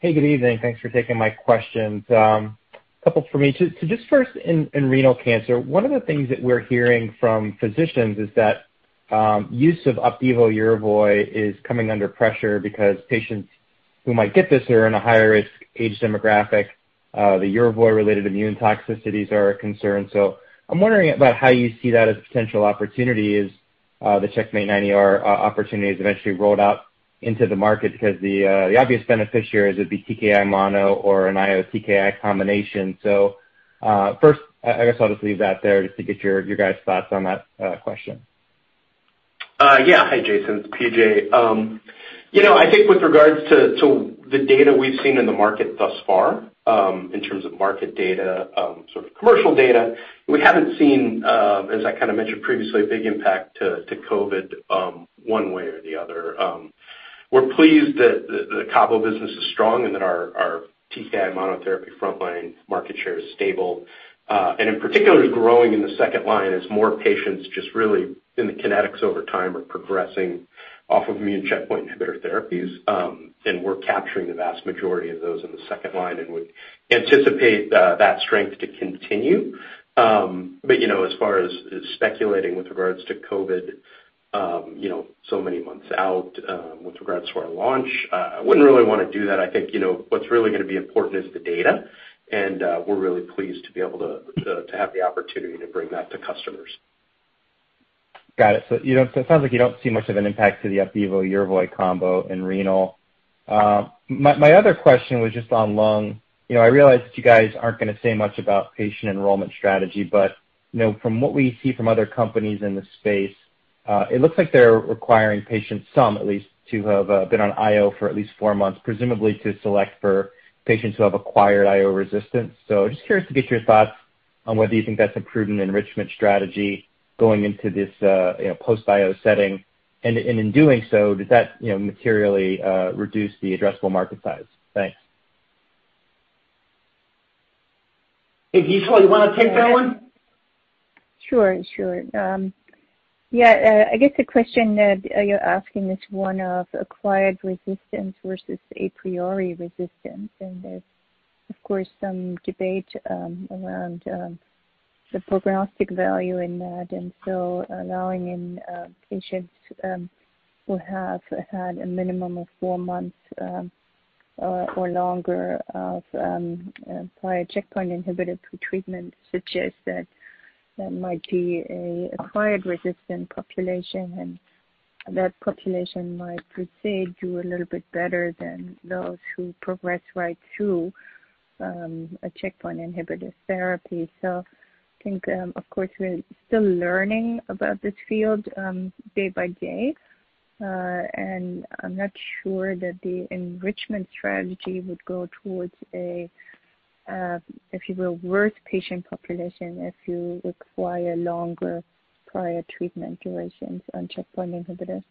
Hey, good evening. Thanks for taking my questions. A couple for me. So just first, in renal cancer, one of the things that we're hearing from physicians is that use of Opdivo plus Yervoy is coming under pressure because patients who might get this are in a higher-risk age demographic. The Yervoy-related immune toxicities are a concern. So I'm wondering about how you see that as a potential opportunity as the CheckMate 214 opportunity is eventually rolled out into the market because the obvious beneficiaries would be TKI mono or an IO/TKI combination. So first, I guess I'll just leave that there just to get your guys' thoughts on that question. Yeah. Hi, Jason. It's P.J. I think with regards to the data we've seen in the market thus far in terms of market data, sort of commercial data, we haven't seen, as I kind of mentioned previously, a big impact to COVID one way or the other. We're pleased that the Cabo business is strong and that our TKI monotherapy front-line market share is stable. And in particular, it's growing in the second line as more patients just really in the kinetics over time are progressing off of immune checkpoint inhibitor therapies. And we're capturing the vast majority of those in the second line, and we anticipate that strength to continue. But as far as speculating with regards to COVID so many months out with regards to our launch, I wouldn't really want to do that. I think what's really going to be important is the data. We're really pleased to be able to have the opportunity to bring that to customers. Got it, so it sounds like you don't see much of an impact to the Opdivo-Yervoy combo in renal. My other question was just on lung. I realize that you guys aren't going to say much about patient enrollment strategy, but from what we see from other companies in the space, it looks like they're requiring patients, at least, to have been on IO for at least four months, presumably to select for patients who have acquired IO resistance. So just curious to get your thoughts on whether you think that's improved in enrichment strategy going into this post-IO setting, and in doing so, does that materially reduce the addressable market size? Thanks. Hey, Gisela, you want to take that one? Sure. Sure. Yeah. I guess the question that you're asking is one of acquired resistance versus a priori resistance. And there's, of course, some debate around the prognostic value in that. And so allowing in patients who have had a minimum of four months or longer of prior checkpoint inhibitor pre-treatment suggests that there might be an acquired resistant population, and that population might proceed to do a little bit better than those who progress right through a checkpoint inhibitor therapy. So I think, of course, we're still learning about this field day by day. And I'm not sure that the enrichment strategy would go towards a, if you will, worse patient population if you require longer prior treatment durations on checkpoint inhibitors.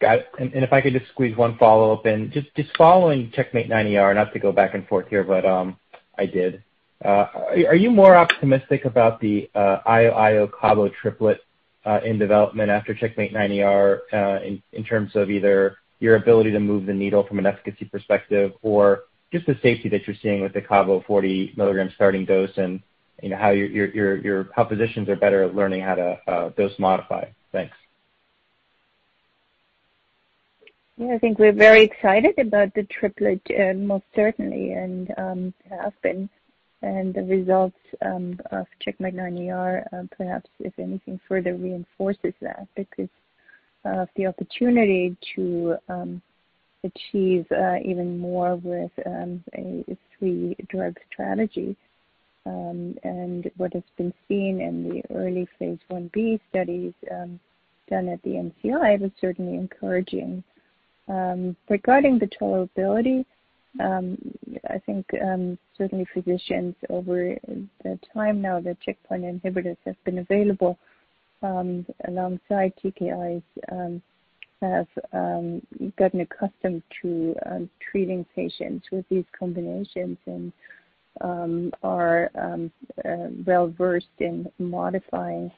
Got it. And if I could just squeeze one follow-up in, just following CheckMate 9ER, not to go back and forth here, but I did. Are you more optimistic about the IO-IO-Cabo triplet in development after CheckMate 9ER in terms of either your ability to move the needle from an efficacy perspective or just the safety that you're seeing with the Cabo 40 milligram starting dose and how your physicians are better at learning how to dose modify? Thanks. Yeah. I think we're very excited about the triplet, most certainly, and have been. And the results of CheckMate 9ER perhaps, if anything, further reinforces that because of the opportunity to achieve even more with a three-drug strategy. And what has been seen in the early Phase 1b studies done at the NCI was certainly encouraging. Regarding the tolerability, I think certainly physicians over the time now that checkpoint inhibitors have been available alongside TKIs have gotten accustomed to treating patients with these combinations and are well-versed in modifying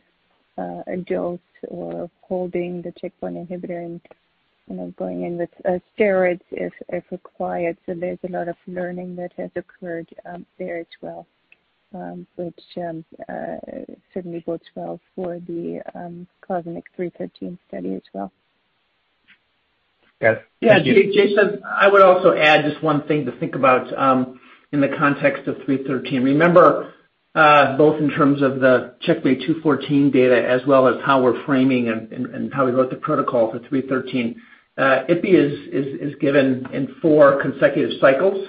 a dose or holding the checkpoint inhibitor and going in with steroids if required. So there's a lot of learning that has occurred there as well, which certainly bodes well for the COSMIC-313 study as well. Got it. Yeah. Jason, I would also add just one thing to think about in the context of 313. Remember, both in terms of the CheckMate 214 data as well as how we're framing and how we wrote the protocol for 313, Ipi is given in four consecutive cycles.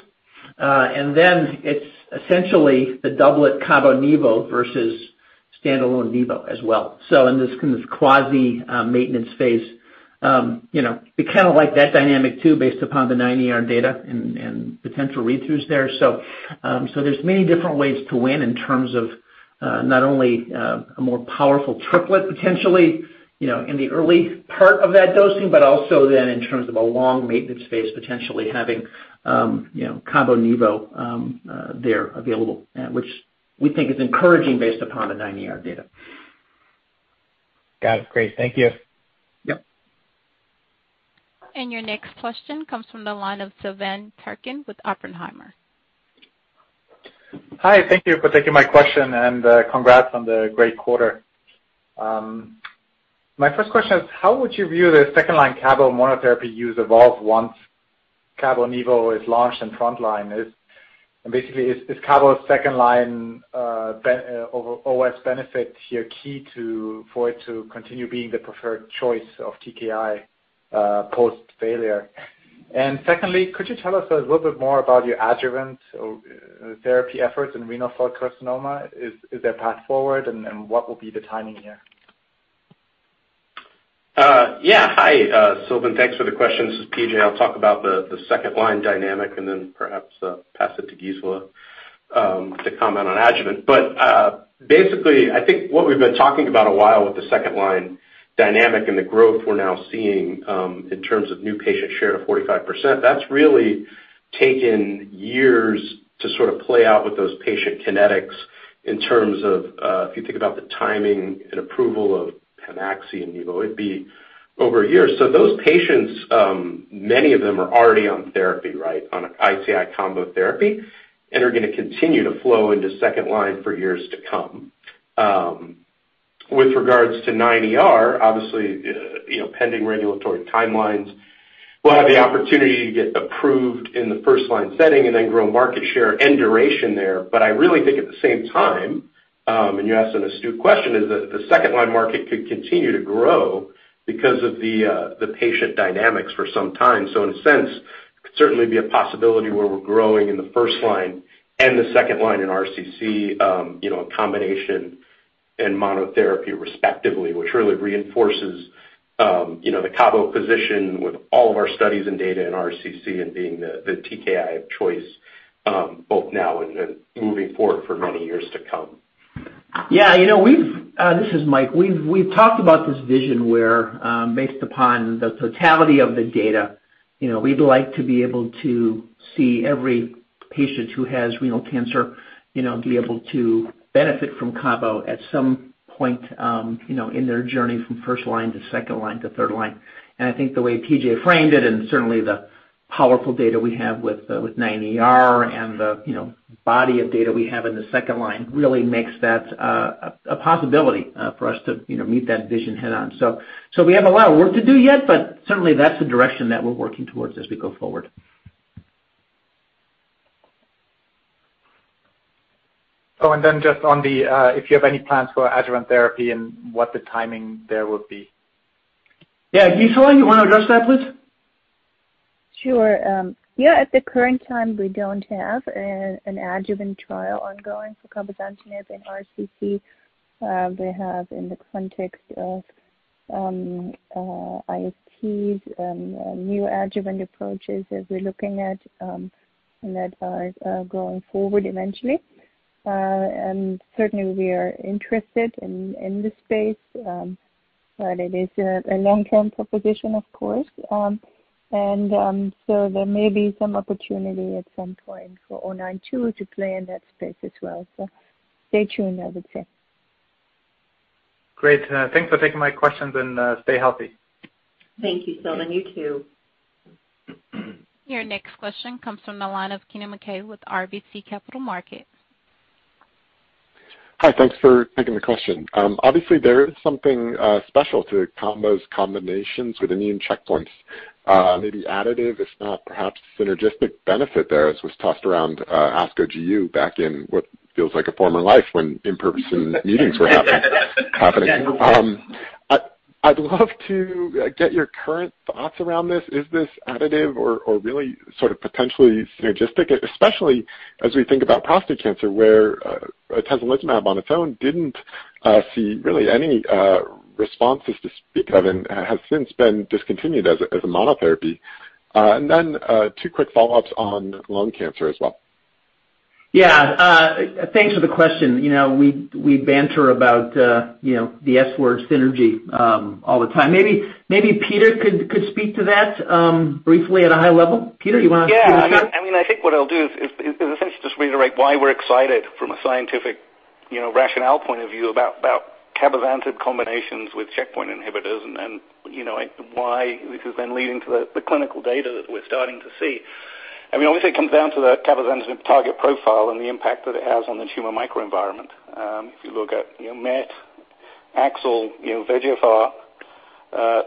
And then it's essentially the doublet Cabo+Nivo versus standalone Nivo as well. So in this quasi-maintenance Phase, we kind of like that dynamic too based upon the CheckMate 9ER data and potential read-throughs there. So there's many different ways to win in terms of not only a more powerful triplet potentially in the early part of that dosing, but also then in terms of a long maintenance Phase potentially having Cabo+Nivo there available, which we think is encouraging based upon the CheckMate 9ER data. Got it. Great. Thank you. Yep. Your next question comes from the line of Silvan Türkcan with Oppenheimer. Hi. Thank you for taking my question, and congrats on the great quarter. My first question is, how would you view the second-line Cabo monotherapy use evolve once Cabo+Nivo is launched in front line? And basically, is Cabo's second-line OS benefit here key for it to continue being the preferred choice of TKI post-failure? And secondly, could you tell us a little bit more about your adjuvant therapy efforts in renal cell carcinoma? Is there a path forward, and what will be the timing here? Yeah. Hi, Silvan. Thanks for the question. This is P.J. I'll talk about the second-line dynamic and then perhaps pass it to Gisela to comment on adjuvant. But basically, I think what we've been talking about a while with the second-line dynamic and the growth we're now seeing in terms of new patient share to 45%, that's really taken years to sort of play out with those patient kinetics in terms of if you think about the timing and approval of pem-ax and Nivo Ipi over years. So those patients, many of them are already on therapy, right, on ICI combo therapy, and are going to continue to flow into second line for years to come. With regards to COSMIC-313, obviously, pending regulatory timelines, we'll have the opportunity to get approved in the first-line setting and then grow market share and duration there. But I really think at the same time, and you asked an astute question, is that the second-line market could continue to grow because of the patient dynamics for some time. So in a sense, it could certainly be a possibility where we're growing in the first line and the second line in RCC, a combination and monotherapy respectively, which really reinforces the Cabo position with all of our studies and data in RCC and being the TKI of choice both now and moving forward for many years to come. Yeah. This is Mike. We've talked about this vision where, based upon the totality of the data, we'd like to be able to see every patient who has renal cancer be able to benefit from Cabo at some point in their journey from first line to second line to third line, and I think the way PJ framed it and certainly the powerful data we have with METEOR and the body of data we have in the second line really makes that a possibility for us to meet that vision head-on, so we have a lot of work to do yet, but certainly that's the direction that we're working towards as we go forward. Oh, and then just on, if you have any plans for adjuvant therapy and what the timing there would be? Yeah. Gisela, you want to address that, please? Sure. Yeah. At the current time, we don't have an adjuvant trial ongoing for cabozantinib in RCC. We have, in the context of ISTs and neoadjuvant approaches that we're looking at that are going forward eventually. And certainly, we are interested in the space, but it is a long-term proposition, of course. And so there may be some opportunity at some point for XL092 to play in that space as well. So stay tuned, I would say. Great. Thanks for taking my questions, and stay healthy. Thank you, Silvan. You too. Your next question comes from the line of Kennen MacKay with RBC Capital Markets. Hi. Thanks for taking the question. Obviously, there is something special to Cabo's combinations with immune checkpoints. Maybe additive, if not perhaps synergistic benefit there as was tossed around ASCO GU back in what feels like a former life when in-person meetings were happening. I'd love to get your current thoughts around this. Is this additive or really sort of potentially synergistic, especially as we think about prostate cancer where atezolizumab on its own didn't see really any responses to speak of and has since been discontinued as a monotherapy? And then two quick follow-ups on lung cancer as well. Yeah. Thanks for the question. We banter about the S-word synergy all the time. Maybe Peter could speak to that briefly at a high level. Peter, you want to take the lead? Yeah. I mean, I think what I'll do is essentially just reiterate why we're excited from a scientific rationale point of view about cabozantinib combinations with checkpoint inhibitors and why this is then leading to the clinical data that we're starting to see. I mean, obviously, it comes down to the cabozantinib target profile and the impact that it has on the tumor microenvironment. If you look at MET, AXL, VEGFR,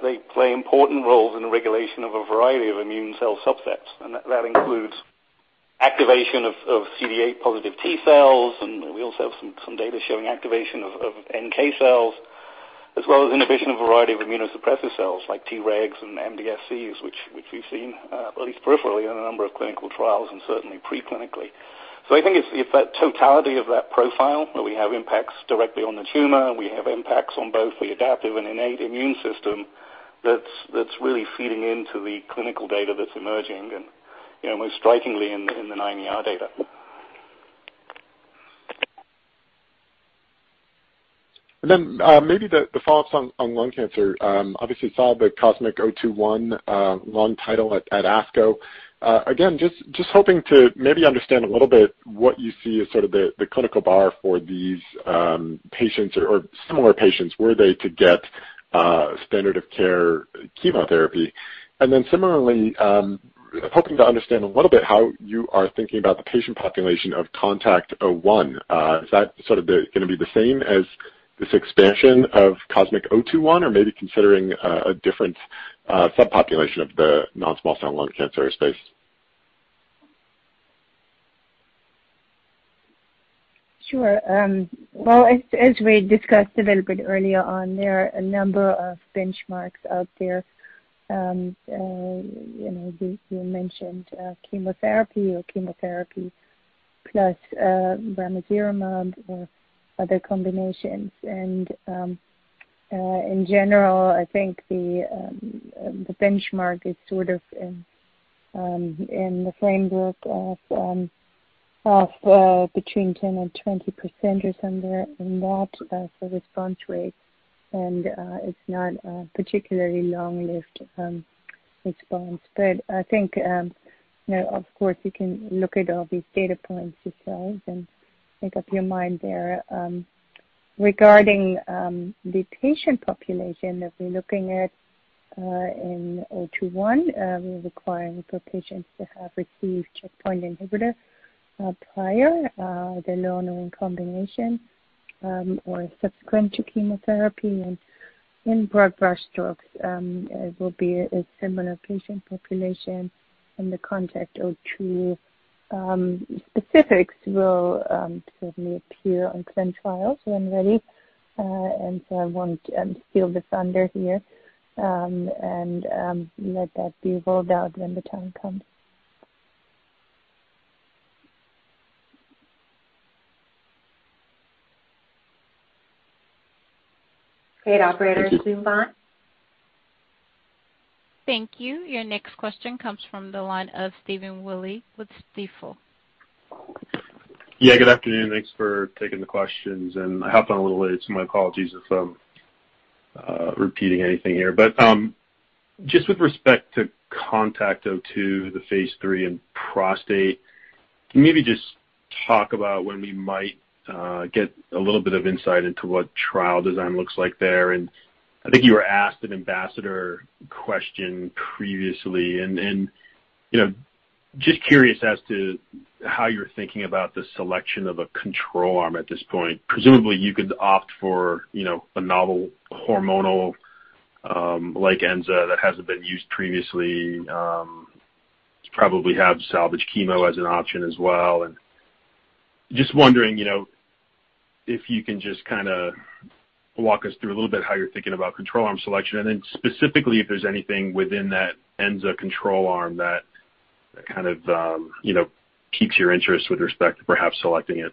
they play important roles in the regulation of a variety of immune cell subsets. And that includes activation of CD8-positive T cells. And we also have some data showing activation of NK cells as well as inhibition of a variety of immunosuppressive cells like Tregs and MDSCs, which we've seen at least peripherally in a number of clinical trials and certainly preclinically. So I think it's that totality of that profile where we have impacts directly on the tumor. We have impacts on both the adaptive and innate immune system that's really feeding into the clinical data that's emerging, most strikingly in the 9ER data. And then maybe the follow-ups on lung cancer. Obviously, saw the COSMIC-021 lung trial at ASCO. Again, just hoping to maybe understand a little bit what you see as sort of the clinical bar for these patients or similar patients were they to get standard of care chemotherapy. And then similarly, hoping to understand a little bit how you are thinking about the patient population of CONTACT-01. Is that sort of going to be the same as this expansion of COSMIC-021 or maybe considering a different subpopulation of the non-small cell lung cancer space? Sure. Well, as we discussed a little bit earlier on, there are a number of benchmarks out there. You mentioned chemotherapy or chemotherapy plus ramucirumab or other combinations. And in general, I think the benchmark is sort of in the framework of between 10%-20% or somewhere in that for response rate. And it's not a particularly long-lived response. But I think, of course, you can look at all these data points yourselves and make up your mind there. Regarding the patient population that we're looking at in 021, we're requiring for patients to have received checkpoint inhibitor prior, the nivo and ipi combination, or subsequent to chemotherapy. And in broad-brush strokes, it will be a similar patient population. And the CONTACT-02 specifics will certainly appear on ClinicalTrials.gov when ready. And so I won't steal the thunder here and let that be rolled out when the time comes. Great operators. We'll move on. Thank you. Your next question comes from the line of Stephen Willey with Stifel. Yeah. Good afternoon. Thanks for taking the questions. And I hopped on a little late, so my apologies if I'm repeating anything here. But just with respect to CONTACT-02, the Phase III in prostate, can you maybe just talk about when we might get a little bit of insight into what trial design looks like there? And I think you were asked an IMbassador question previously. And just curious as to how you're thinking about the selection of a control arm at this point. Presumably, you could opt for a novel hormonal-like Enza that hasn't been used previously. You probably have salvage chemo as an option as well. And just wondering if you can just kind of walk us through a little bit how you're thinking about control arm selection. And then specifically, if there's anything within that Enza control arm that kind of keeps your interest with respect to perhaps selecting it.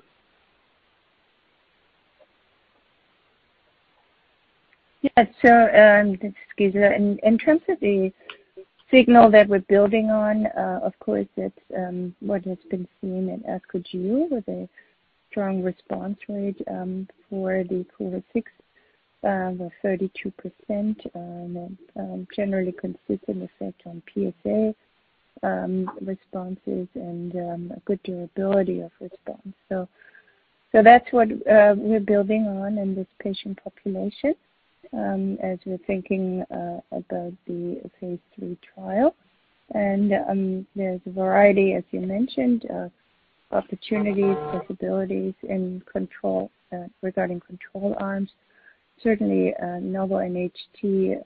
Yeah. So this is Gisela. In terms of the signal that we're building on, of course, it's what has been seen at ASCO GU with a strong response rate for the Cabometyx of 32%. Generally consistent effect on PSA responses and good durability of response. So that's what we're building on in this patient population as we're thinking about the Phase III trial. And there's a variety, as you mentioned, of opportunities, possibilities regarding control arms. Certainly, novel NHT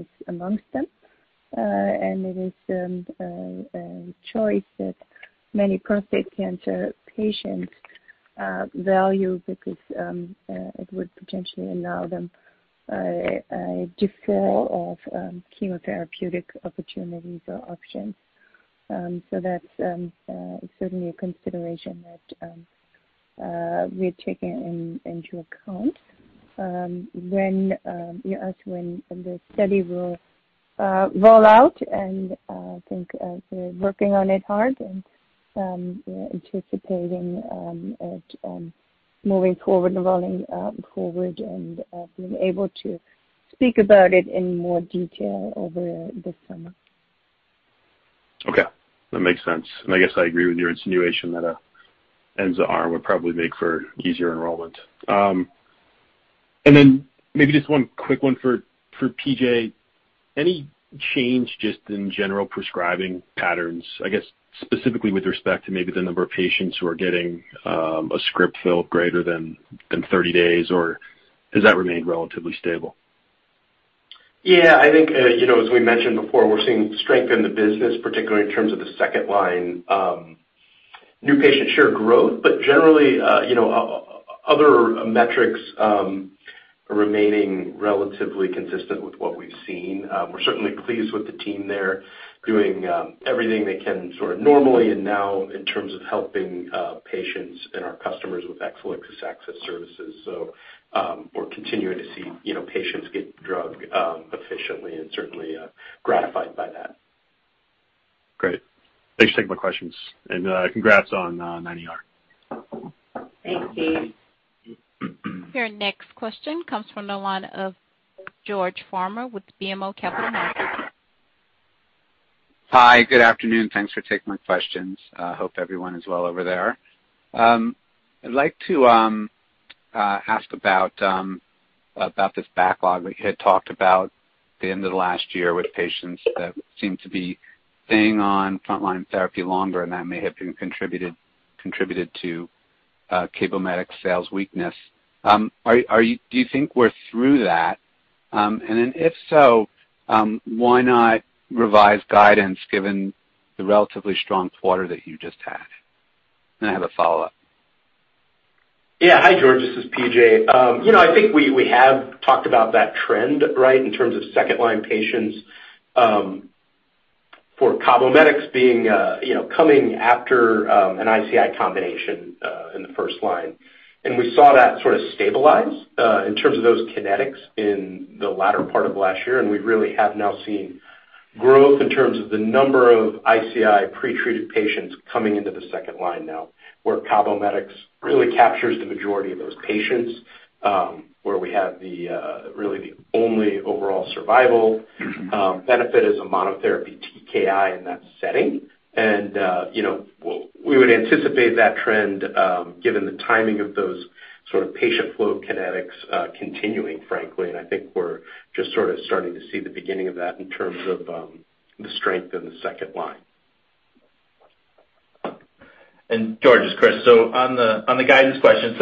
is amongst them. And it is a choice that many prostate cancer patients value because it would potentially allow them a default of chemotherapeutic opportunities or options. So that's certainly a consideration that we're taking into account. You asked when the study will roll out, and I think we're working on it hard and anticipating it moving forward and rolling forward and being able to speak about it in more detail over the summer. Okay. That makes sense. And I guess I agree with your insinuation that an Enza arm would probably make for easier enrollment. And then maybe just one quick one for P.J. Any change just in general prescribing patterns, I guess, specifically with respect to maybe the number of patients who are getting a script filled greater than 30 days, or has that remained relatively stable? Yeah. I think, as we mentioned before, we're seeing strength in the business, particularly in terms of the second line, new patient share growth, but generally, other metrics are remaining relatively consistent with what we've seen. We're certainly pleased with the team there doing everything they can sort of normally and now in terms of helping patients and our customers with EASE and hub services, so we're continuing to see patients get drug efficiently and certainly gratified by that. Great. Thanks for taking my questions, and congrats on the quarter. Thanks, Steve. Your next question comes from the line of George Farmer with BMO Capital Markets. Hi. Good afternoon. Thanks for taking my questions. Hope everyone is well over there. I'd like to ask about this backlog we had talked about at the end of the last year with patients that seem to be staying on front-line therapy longer, and that may have been contributed to Cabometyx sales weakness. Do you think we're through that? And then if so, why not revise guidance given the relatively strong quarter that you just had? And I have a follow-up. Yeah. Hi, George. This is P.J. I think we have talked about that trend, right, in terms of second-line patients for Cabometyx coming after an ICI combination in the first line. And we saw that sort of stabilize in terms of those kinetics in the latter part of last year. And we really have now seen growth in terms of the number of ICI pretreated patients coming into the second line now, where Cabometyx really captures the majority of those patients, where we have really the only overall survival benefit is a monotherapy TKI in that setting. And we would anticipate that trend given the timing of those sort of patient flow kinetics continuing, frankly. And I think we're just sort of starting to see the beginning of that in terms of the strength in the second line. And George is Chris. On the guidance question,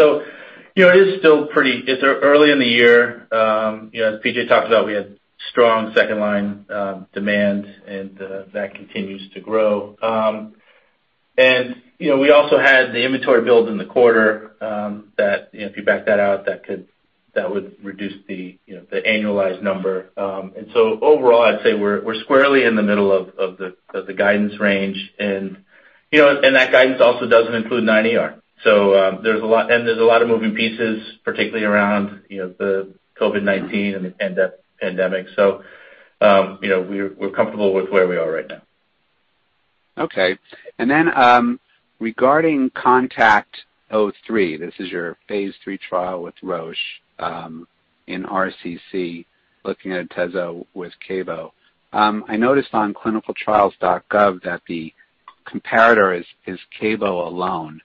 it is still pretty early in the year. As P.J. talked about, we had strong second-line demand, and that continues to grow. We also had the inventory build in the quarter that, if you back that out, that would reduce the annualized number. Overall, I'd say we're squarely in the middle of the guidance range. That guidance also doesn't include 9ER. There's a lot of moving pieces, particularly around the COVID-19 and the pandemic. We're comfortable with where we are right now. Okay. And then regarding CheckMate 9ER, this is your Phase III trial with Roche in RCC looking at Atezo with Cabo. I noticed on ClinicalTrials.gov that the comparator is Cabo alone.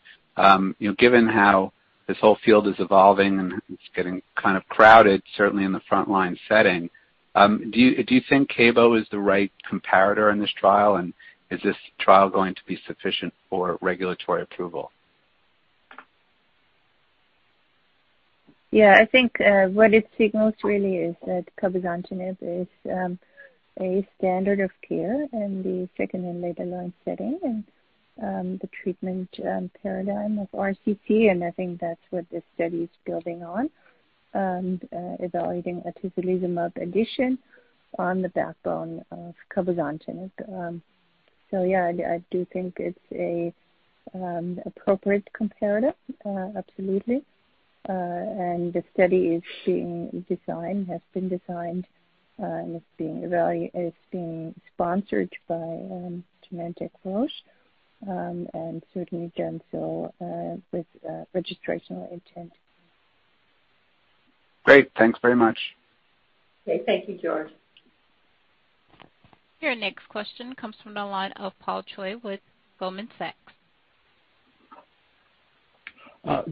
Given how this whole field is evolving and it's getting kind of crowded, certainly in the front-line setting, do you think Cabo is the right comparator in this trial? And is this trial going to be sufficient for regulatory approval? Yeah. I think what it signals really is that cabozantinib is a standard of care in the second and later-line setting and the treatment paradigm of RCC. And I think that's what this study is building on, evaluating atezolizumab addition on the backbone of cabozantinib. So yeah, I do think it's an appropriate comparator, absolutely. And the study is being designed, has been designed, and it's being sponsored by Genentech, Roche and certainly done so with registration intent. Great. Thanks very much. Okay. Thank you, George. Your next question comes from the line of Paul Choi with Goldman Sachs.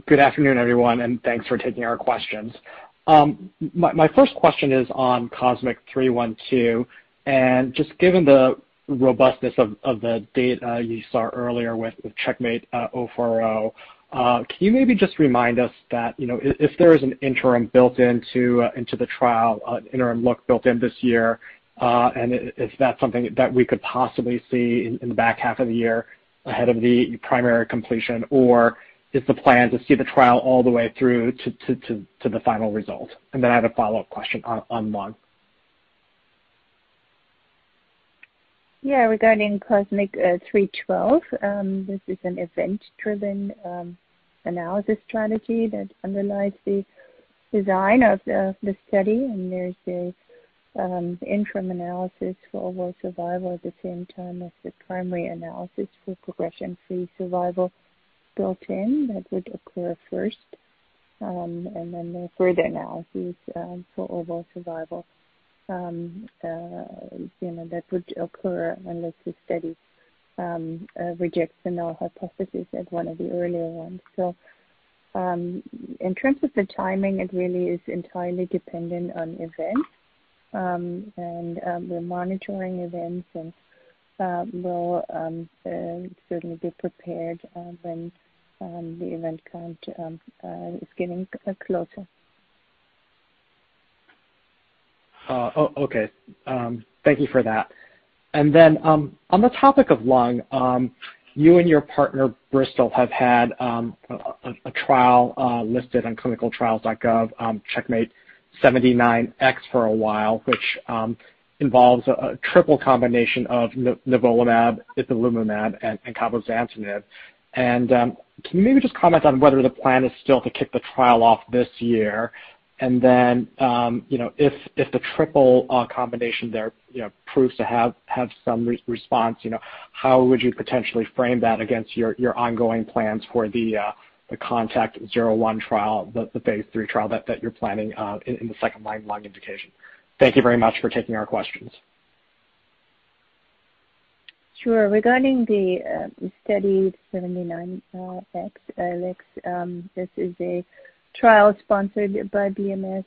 Good afternoon, everyone, and thanks for taking our questions. My first question is on COSMIC-312. And just given the robustness of the data you saw earlier with CheckMate 040, can you maybe just remind us that if there is an interim built into the trial, an interim look built in this year, and is that something that we could possibly see in the back half of the year ahead of the primary completion, or is the plan to see the trial all the way through to the final result? And then I have a follow-up question on one. Yeah. Regarding COSMIC-312, this is an event-driven analysis strategy that underlies the design of the study. And there's an interim analysis for overall survival at the same time as the primary analysis for progression-free survival built in that would occur first. And then there's further analysis for overall survival that would occur unless the study rejects the null hypothesis at one of the earlier ones. So in terms of the timing, it really is entirely dependent on events. And we're monitoring events, and we'll certainly be prepared when the event count is getting closer. Oh, okay. Thank you for that. And then on the topic of lung, you and your partner, Bristol, have had a trial listed on ClinicalTrials.gov, CheckMate 79X for a while, which involves a triple combination of nivolumab, ipilimumab, and cabozantinib. And can you maybe just comment on whether the plan is still to kick the trial off this year? And then if the triple combination there proves to have some response, how would you potentially frame that against your ongoing plans for the CONTACT-01 trial, the Phase III trial that you're planning in the second-line lung indication? Thank you very much for taking our questions. Sure. Regarding the CheckMate 79X study, this is a trial sponsored by BMS.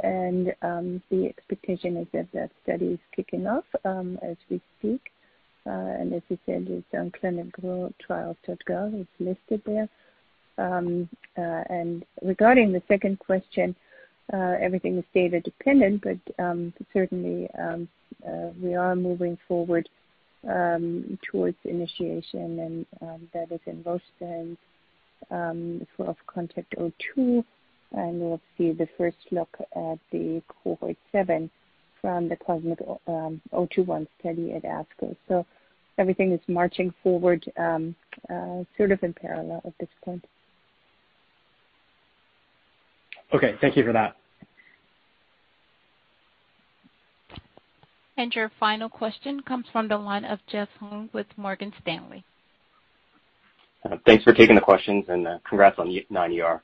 And the expectation is that that study is kicking off as we speak. And as you said, it's on ClinicalTrials.gov, it's listed there. And regarding the second question, everything is data-dependent, but certainly, we are moving forward toward initiation. And that is in Roche's hands for CONTACT-02. And we'll see the first look at the cohort seven from the COSMIC-021 study at ASCO. So everything is marching forward sort of in parallel at this point. Okay. Thank you for that. Your final question comes from the line of Jeff Hung with Morgan Stanley. Thanks for taking the questions. Congrats on Q3.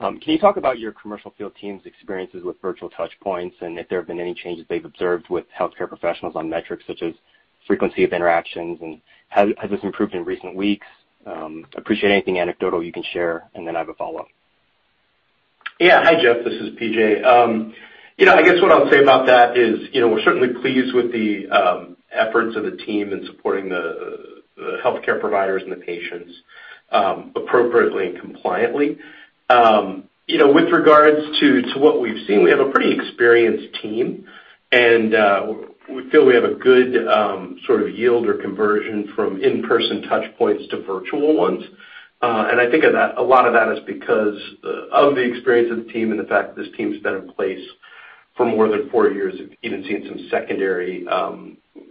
Can you talk about your commercial field team's experiences with virtual touchpoints and if there have been any changes they've observed with healthcare professionals on metrics such as frequency of interactions? Has this improved in recent weeks? Appreciate anything anecdotal you can share. I have a follow-up. Yeah. Hi, Jeff. This is P.J. I guess what I'll say about that is we're certainly pleased with the efforts of the team in supporting the healthcare providers and the patients appropriately and compliantly. With regards to what we've seen, we have a pretty experienced team. And we feel we have a good sort of yield or conversion from in-person touchpoints to virtual ones. And I think a lot of that is because of the experience of the team and the fact that this team's been in place for more than four years. We've even seen some secondary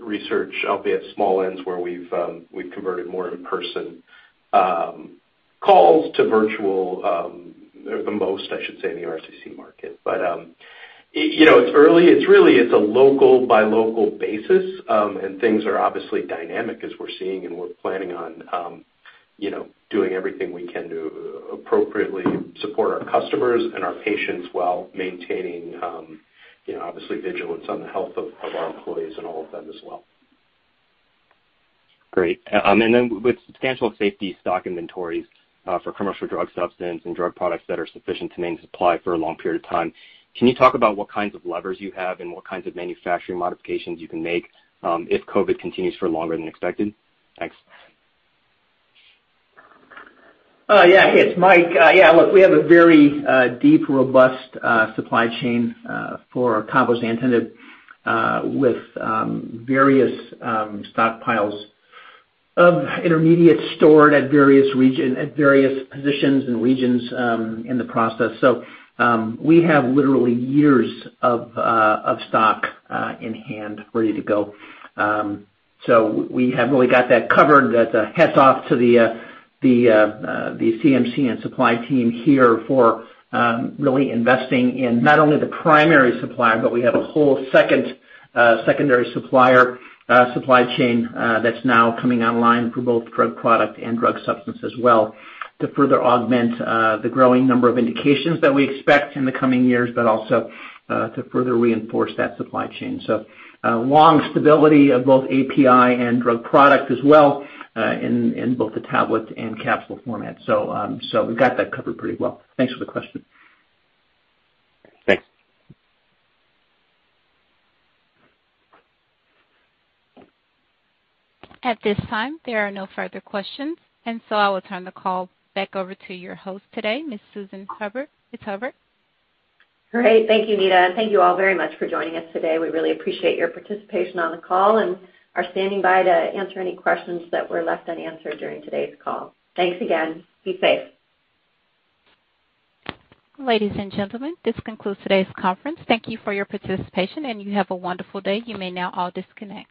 research, albeit small ones, where we've converted more in-person calls to virtual or the most, I should say, in the RCC market. But it's really a local-by-local basis. And things are obviously dynamic, as we're seeing. We're planning on doing everything we can to appropriately support our customers and our patients while maintaining, obviously, vigilance on the health of our employees and all of them as well. Great. And then with substantial safety stock inventories for commercial drug substance and drug products that are sufficient to maintain supply for a long period of time, can you talk about what kinds of levers you have and what kinds of manufacturing modifications you can make if COVID continues for longer than expected? Thanks. Yeah. Hey, it's Mike. Yeah. Look, we have a very deep, robust supply chain for cabozantinib with various stockpiles of intermediates stored at various positions and regions in the process. So we have literally years of stock in hand ready to go. So we have really got that covered. That's a hats off to the CMC and supply team here for really investing in not only the primary supplier, but we have a whole secondary supplier supply chain that's now coming online for both drug product and drug substance as well to further augment the growing number of indications that we expect in the coming years, but also to further reinforce that supply chain. So long stability of both API and drug product as well in both the tablet and capsule format. So we've got that covered pretty well. Thanks for the question. Thanks. At this time, there are no further questions. And so I will turn the call back over to your host today, Ms. Susan Hubbard. Ms. Hubbard? Great. Thank you, Nita. And thank you all very much for joining us today. We really appreciate your participation on the call and are standing by to answer any questions that were left unanswered during today's call. Thanks again. Be safe. Ladies and gentlemen, this concludes today's conference. Thank you for your participation. And you have a wonderful day. You may now all disconnect.